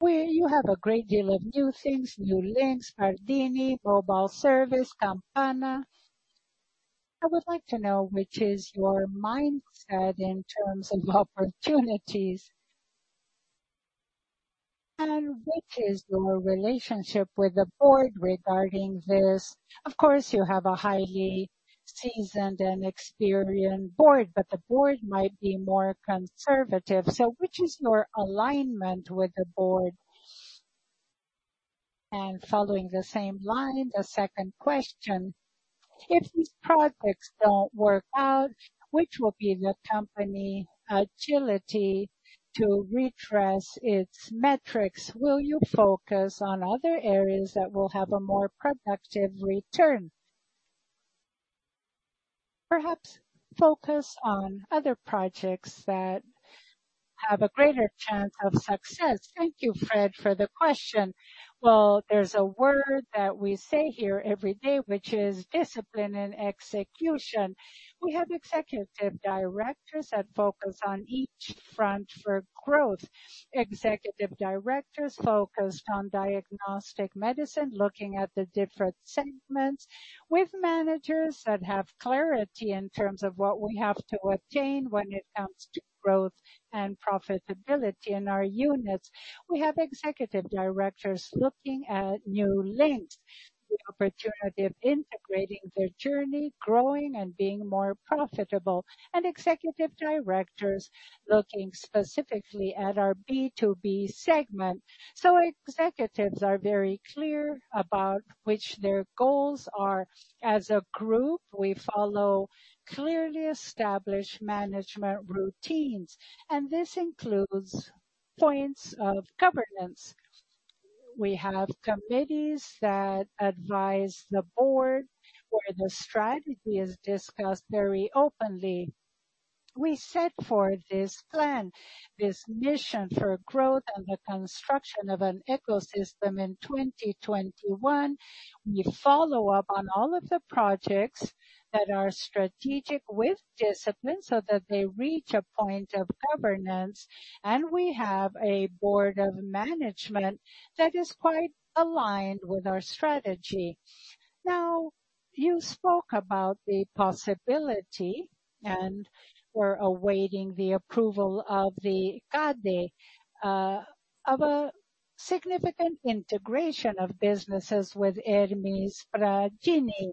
You have a great deal of new things, New Links, Pardini, mobile service, Campana. I would like to know which is your mindset in terms of opportunities. Which is your relationship with the board regarding this? Of course, you have a highly seasoned and experienced board, but the board might be more conservative. Which is your alignment with the board? Following the same line, the second question: If these projects don't work out, which will be the company agility to retrace its metrics? Will you focus on other areas that will have a more productive return? Perhaps focus on other projects that have a greater chance of success. Thank you, Fred, for the question. Well, there's a word that we say here every day, which is discipline and execution. We have executive directors that focus on each front for growth. Executive directors focused on diagnostic medicine, looking at the different segments. With managers that have clarity in terms of what we have to obtain when it comes to growth and profitability in our units. We have executive directors looking at New Links, the opportunity of integrating their journey, growing and being more profitable. Executive directors looking specifically at our B2B segment. Executives are very clear about which their goals are. As a group, we follow clearly established management routines, and this includes points of governance. We have committees that advise the board, where the strategy is discussed very openly. We set for this plan, this mission for growth and the construction of an ecosystem in 2021. We follow up on all of the projects that are strategic with discipline so that they reach a point of governance. We have a board of management that is quite aligned with our strategy. You spoke about the possibility, and we're awaiting the approval of the CADE, of a significant integration of businesses with Hermes Pardini.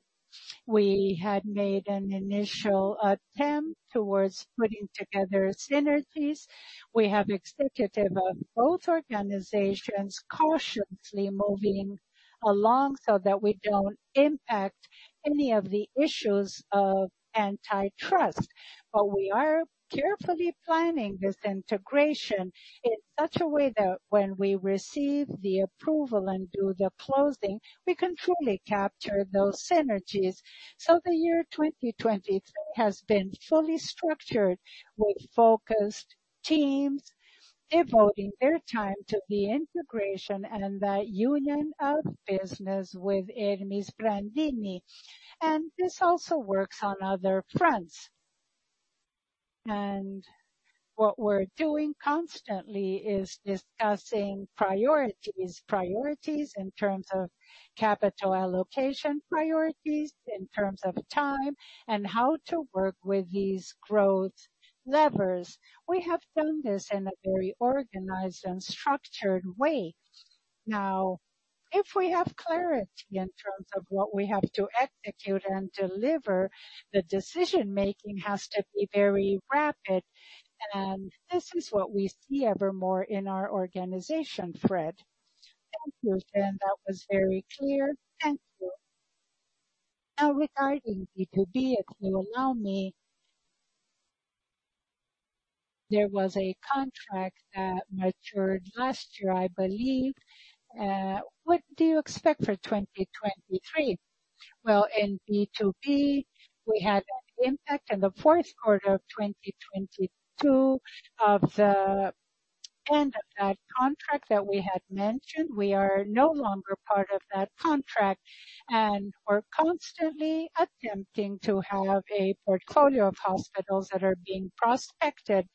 We had made an initial attempt towards putting together synergies. We have executive of both organizations cautiously moving along so that we don't impact any of the issues of antitrust. We are carefully planning this integration in such a way that when we receive the approval and do the closing, we can truly capture those synergies. The year 2023 has been fully structured with focused teams devoting their time to the integration and the union of business with Hermes Pardini. This also works on other fronts. What we're doing constantly is discussing priorities. Priorities in terms of capital allocation, priorities in terms of time, and how to work with these growth levers. We have done this in a very organized and structured way. If we have clarity in terms of what we have to execute and deliver, the decision-making has to be very rapid. This is what we see ever more in our organization, Fred. Thank you, Jeane. That was very clear. Thank you. Regarding B2B, if you allow me, there was a contract that matured last year, I believe. What do you expect for 2023? Well, in B2B, we had an impact in the Q4 of 2022 of the end of that contract that we had mentioned. We are no longer part of that contract, and we're constantly attempting to have a portfolio of hospitals that are being prospected.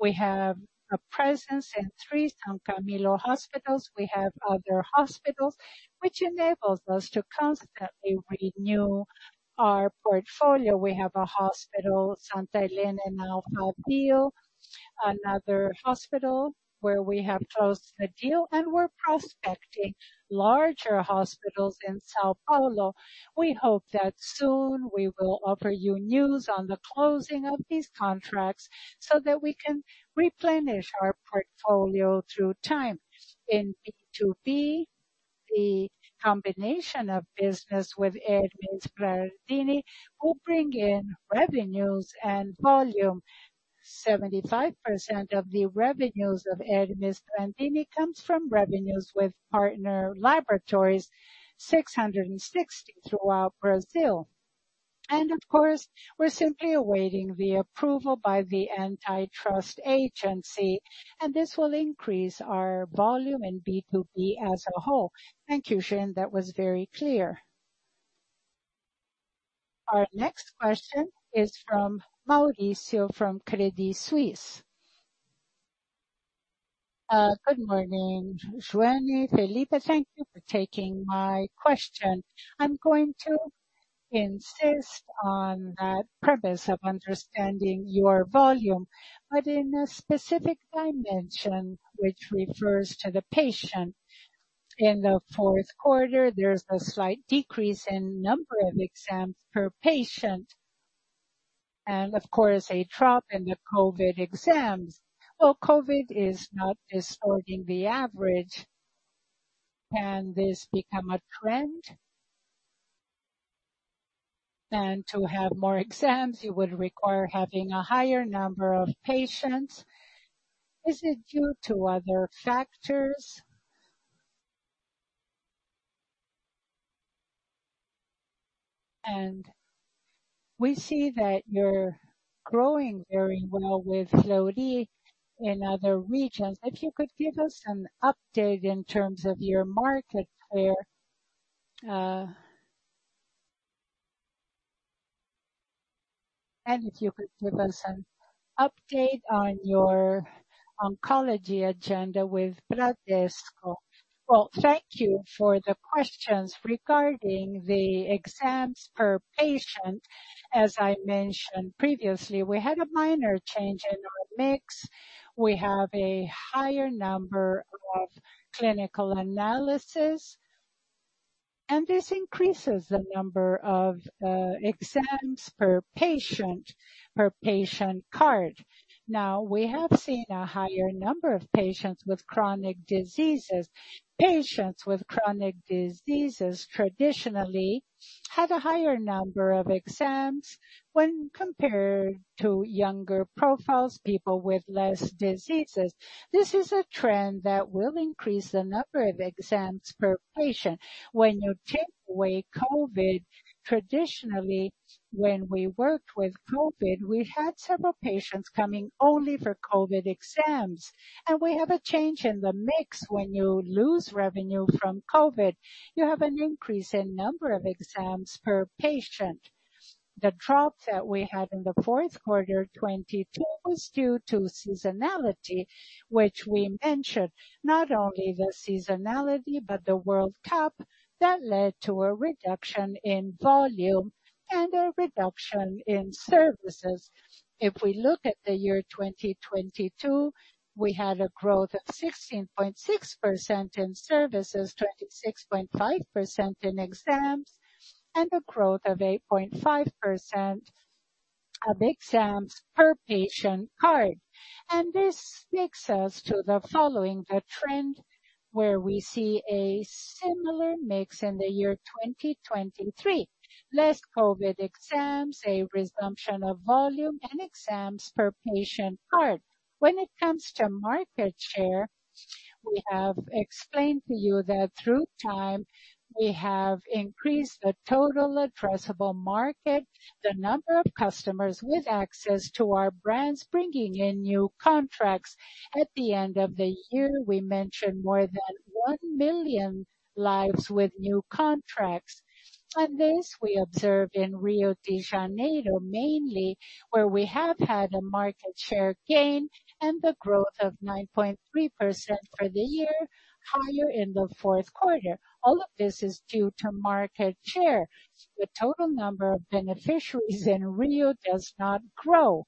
We have a presence in three São Camilo hospitals. We have other hospitals which enables us to constantly renew our portfolio. We have a hospital, Santa Helena in Alphaville, another hospital where we have closed the deal, and we're prospecting larger hospitals in São Paulo. We hope that soon we will offer you news on the closing of these contracts so that we can replenish our portfolio through time. In B2B, the combination of business with Hermes Pardini will bring in revenues and volume. 75% of the revenues of Hermes Pardini comes from revenues with partner laboratories, 660 throughout Brazil. Of course, we're simply awaiting the approval by the antitrust agency, and this will increase our volume in B2B as a whole. Thank you, Jeane. That was very clear. Our next question is from Mauricio from Credit Suisse. Good morning, Jeane Tsutsui, Filippo. Thank you for taking my question. I'm going to insist on that premise of understanding your volume, but in a specific dimension which refers to the patient. In the Q4, there's a slight decrease in number of exams per patient. Of course, a drop in the COVID exams. Though COVID is not distorting the average, can this become a trend? To have more exams, you would require having a higher number of patients. Is it due to other factors? We see that you're growing very well with Fleury in other regions. If you could give us an update in terms of your market share. If you could give us an update on your oncology agenda with Bradesco. Well, thank you for the questions. Regarding the exams per patient, as I mentioned previously, we had a minor change in our mix. We have a higher number of clinical analysis, this increases the number of exams per patient, per patient card. We have seen a higher number of patients with chronic diseases. Patients with chronic diseases traditionally had a higher number of exams when compared to younger profiles, people with less diseases. This is a trend that will increase the number of exams per patient. When you take away COVID, traditionally, when we worked with COVID, we had several patients coming only for COVID exams. We have a change in the mix when you lose revenue from COVID. You have an increase in number of exams per patient. The drop that we had in the Q4 2022 was due to seasonality, which we mentioned. Not only the seasonality, but the World Cup that led to a reduction in volume and a reduction in services. If we look at the year 2022, we had a growth of 16.6% in services, 26.5% in exams, and a growth of 8.5% of exams per patient card. This takes us to the following, the trend where we see a similar mix in the year 2023. Less COVID exams, a resumption of volume and exams per patient card. When it comes to market share, we have explained to you that through time, we have increased the total addressable market, the number of customers with access to our brands, bringing in new contracts. At the end of the year, we mentioned more than 1 million lives with new contracts. This we observe in Rio de Janeiro, mainly where we have had a market share gain and the growth of 9.3% for the year higher in the Q4. All of this is due to market share. The total number of beneficiaries in Rio does not grow.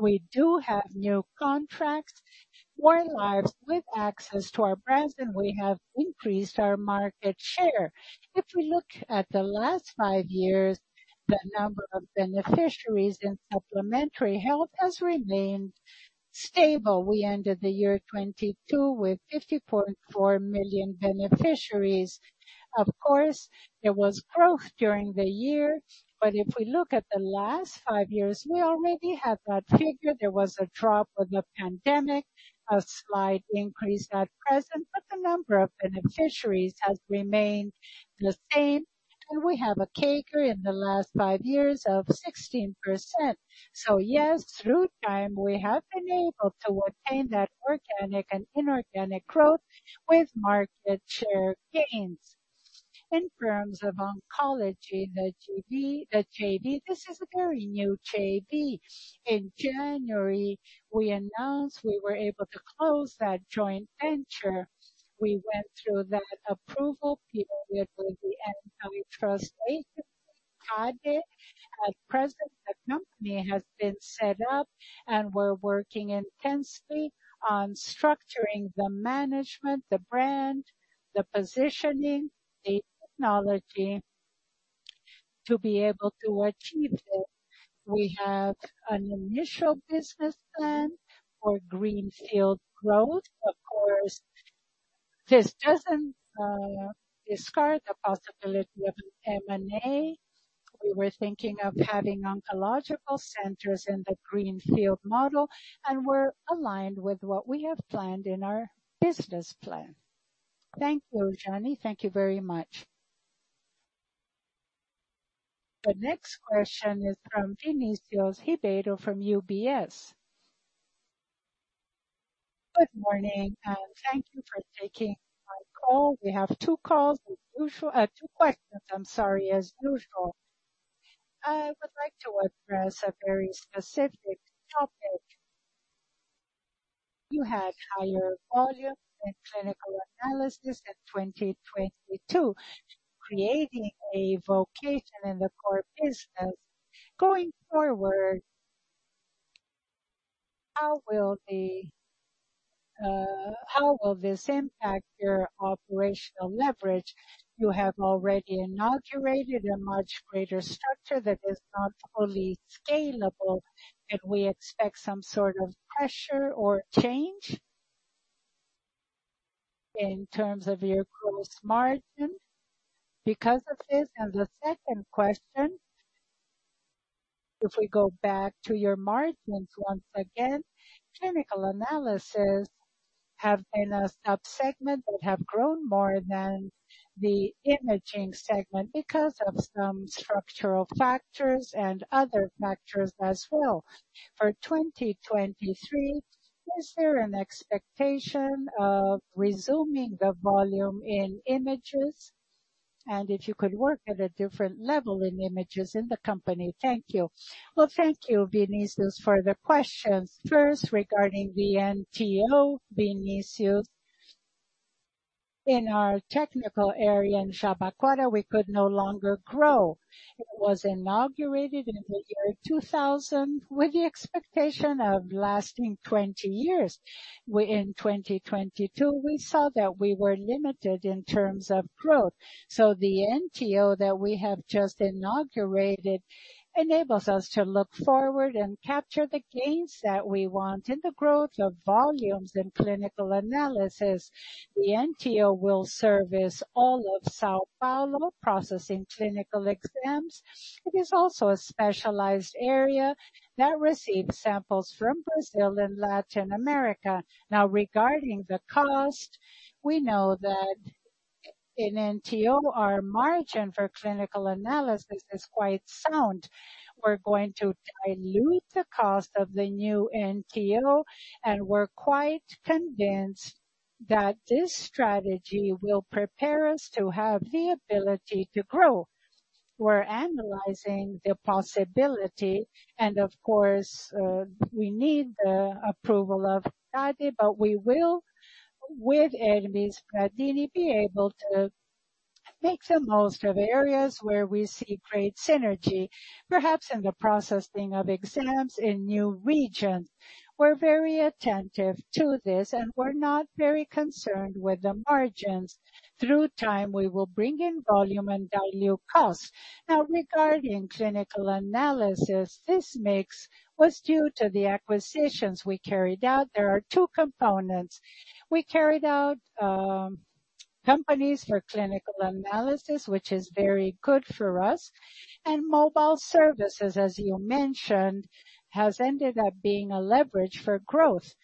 We do have new contracts, more lives with access to our brands, and we have increased our market share. If we look at the last five years, the number of beneficiaries in supplementary health has remained stable. We ended the year 2022 with 54.4 million beneficiaries. Of course, there was growth during the year, but if we look at the last five years, we already have that figure. There was a drop with the pandemic, a slight increase at present, but the number of beneficiaries has remained the same. We have a CAGR in the last five years of 16%. Yes, through time we have been able to obtain that organic and inorganic growth with market share gains. In terms of oncology, the JV, this is a very new JV. In January, we announced we were able to close that joint venture. We went through that approval period with the antitrust agency, CADE. At present, the company has been set up and we're working intensely on structuring the management, the brand, the positioning, the technology to be able to achieve it. We have an initial business plan for greenfield growth. Of course, this doesn't discard the possibility of M&A. We were thinking of having oncological centers in the greenfield model, and we're aligned with what we have planned in our business plan. Thank you, Jeane. Thank you very much. The next question is from Vinicius Ribeiro from UBS. Good morning. Thank you for taking my call. We have two calls as usual. Two questions, I'm sorry, as usual. I would like to address a very specific topic. You had higher volume in clinical analysis in 2022, creating a vocation in the core business. Going forward, how will this impact your operational leverage? You have already inaugurated a much greater structure that is not fully scalable. Can we expect some sort of pressure or change in terms of your gross margin because of this? The second question, if we go back to your margins once again, clinical analysis have been a sub-segment that have grown more than the imaging segment because of some structural factors and other factors as well. For 2023, is there an expectation of resuming the volume in images? If you could work at a different level in images in the company. Thank you. Well, thank you, Vinicius, for the questions. First, regarding the NTO, Vinicius, in our technical area in Jabaquara, we could no longer grow. It was inaugurated in the year 2000 with the expectation of lasting 20 years. In 2022, we saw that we were limited in terms of growth. The NTO that we have just inaugurated enables us to look forward and capture the gains that we want in the growth of volumes in clinical analysis. The NTO will service all of São Paulo processing clinical exams. It is also a specialized area that receives samples from Brazil and Latin America. Regarding the cost, we know that in NTO, our margin for clinical analysis is quite sound. We're going to dilute the cost of the new NTO, and we're quite convinced that this strategy will prepare us to have the ability to grow. We're analyzing the possibility, and of course, we need the approval of CADE, but we will, with Hermes Pardini, be able to make the most of areas where we see great synergy, perhaps in the processing of exams in new regions. We're very attentive to this, and we're not very concerned with the margins. Through time, we will bring in volume and value costs. Regarding clinical analysis, this mix was due to the acquisitions we carried out. There are two components. We carried out companies for clinical analysis, which is very good for us. Mobile services, as you mentioned, has ended up being a leverage for growth.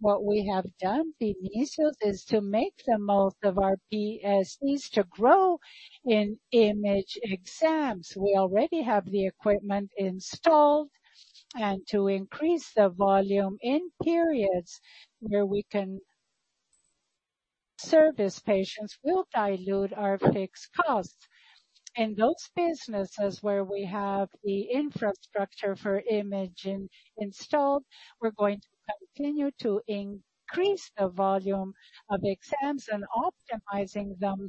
What we have done, Vinicius, is to make the most of our PSEs to grow in image exams. We already have the equipment installed, to increase the volume in periods where we can service patients will dilute our fixed costs. In those businesses where we have the infrastructure for imaging installed, we're going to continue to increase the volume of exams and optimizing them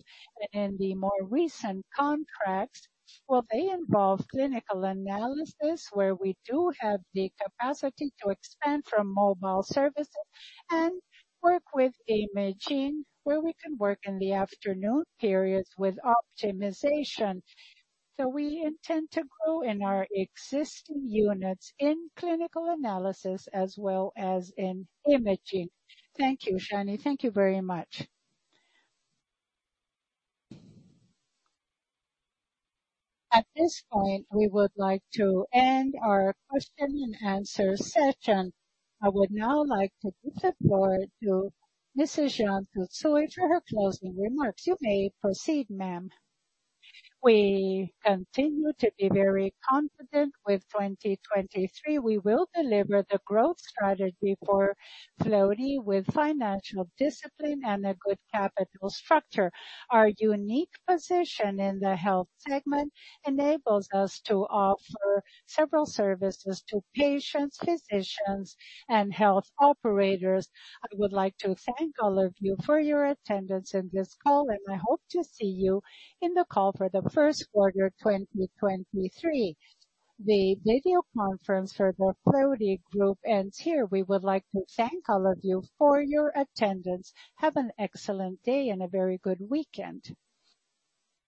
in the more recent contracts. Well, they involve clinical analysis, where we do have the capacity to expand from mobile services and work with imaging, where we can work in the afternoon periods with optimization. We intend to grow in our existing units in clinical analysis as well as in imaging. Thank you, Jeane. Thank you very much. At this point, we would like to end our question and answer session. I would now like to give the floor to Mrs. Jeane Tsutsui for her closing remarks. You may proceed, ma'am. We continue to be very confident with 2023. We will deliver the growth strategy for Fleury with financial discipline and a good capital structure. Our unique position in the health segment enables us to offer several services to patients, physicians, and health operators. I would like to thank all of you for your attendance in this call, and I hope to see you in the call for the Q1 2023. The video conference for the Grupo Fleury ends here. We would like to thank all of you for your attendance. Have an excellent day and a very good weekend.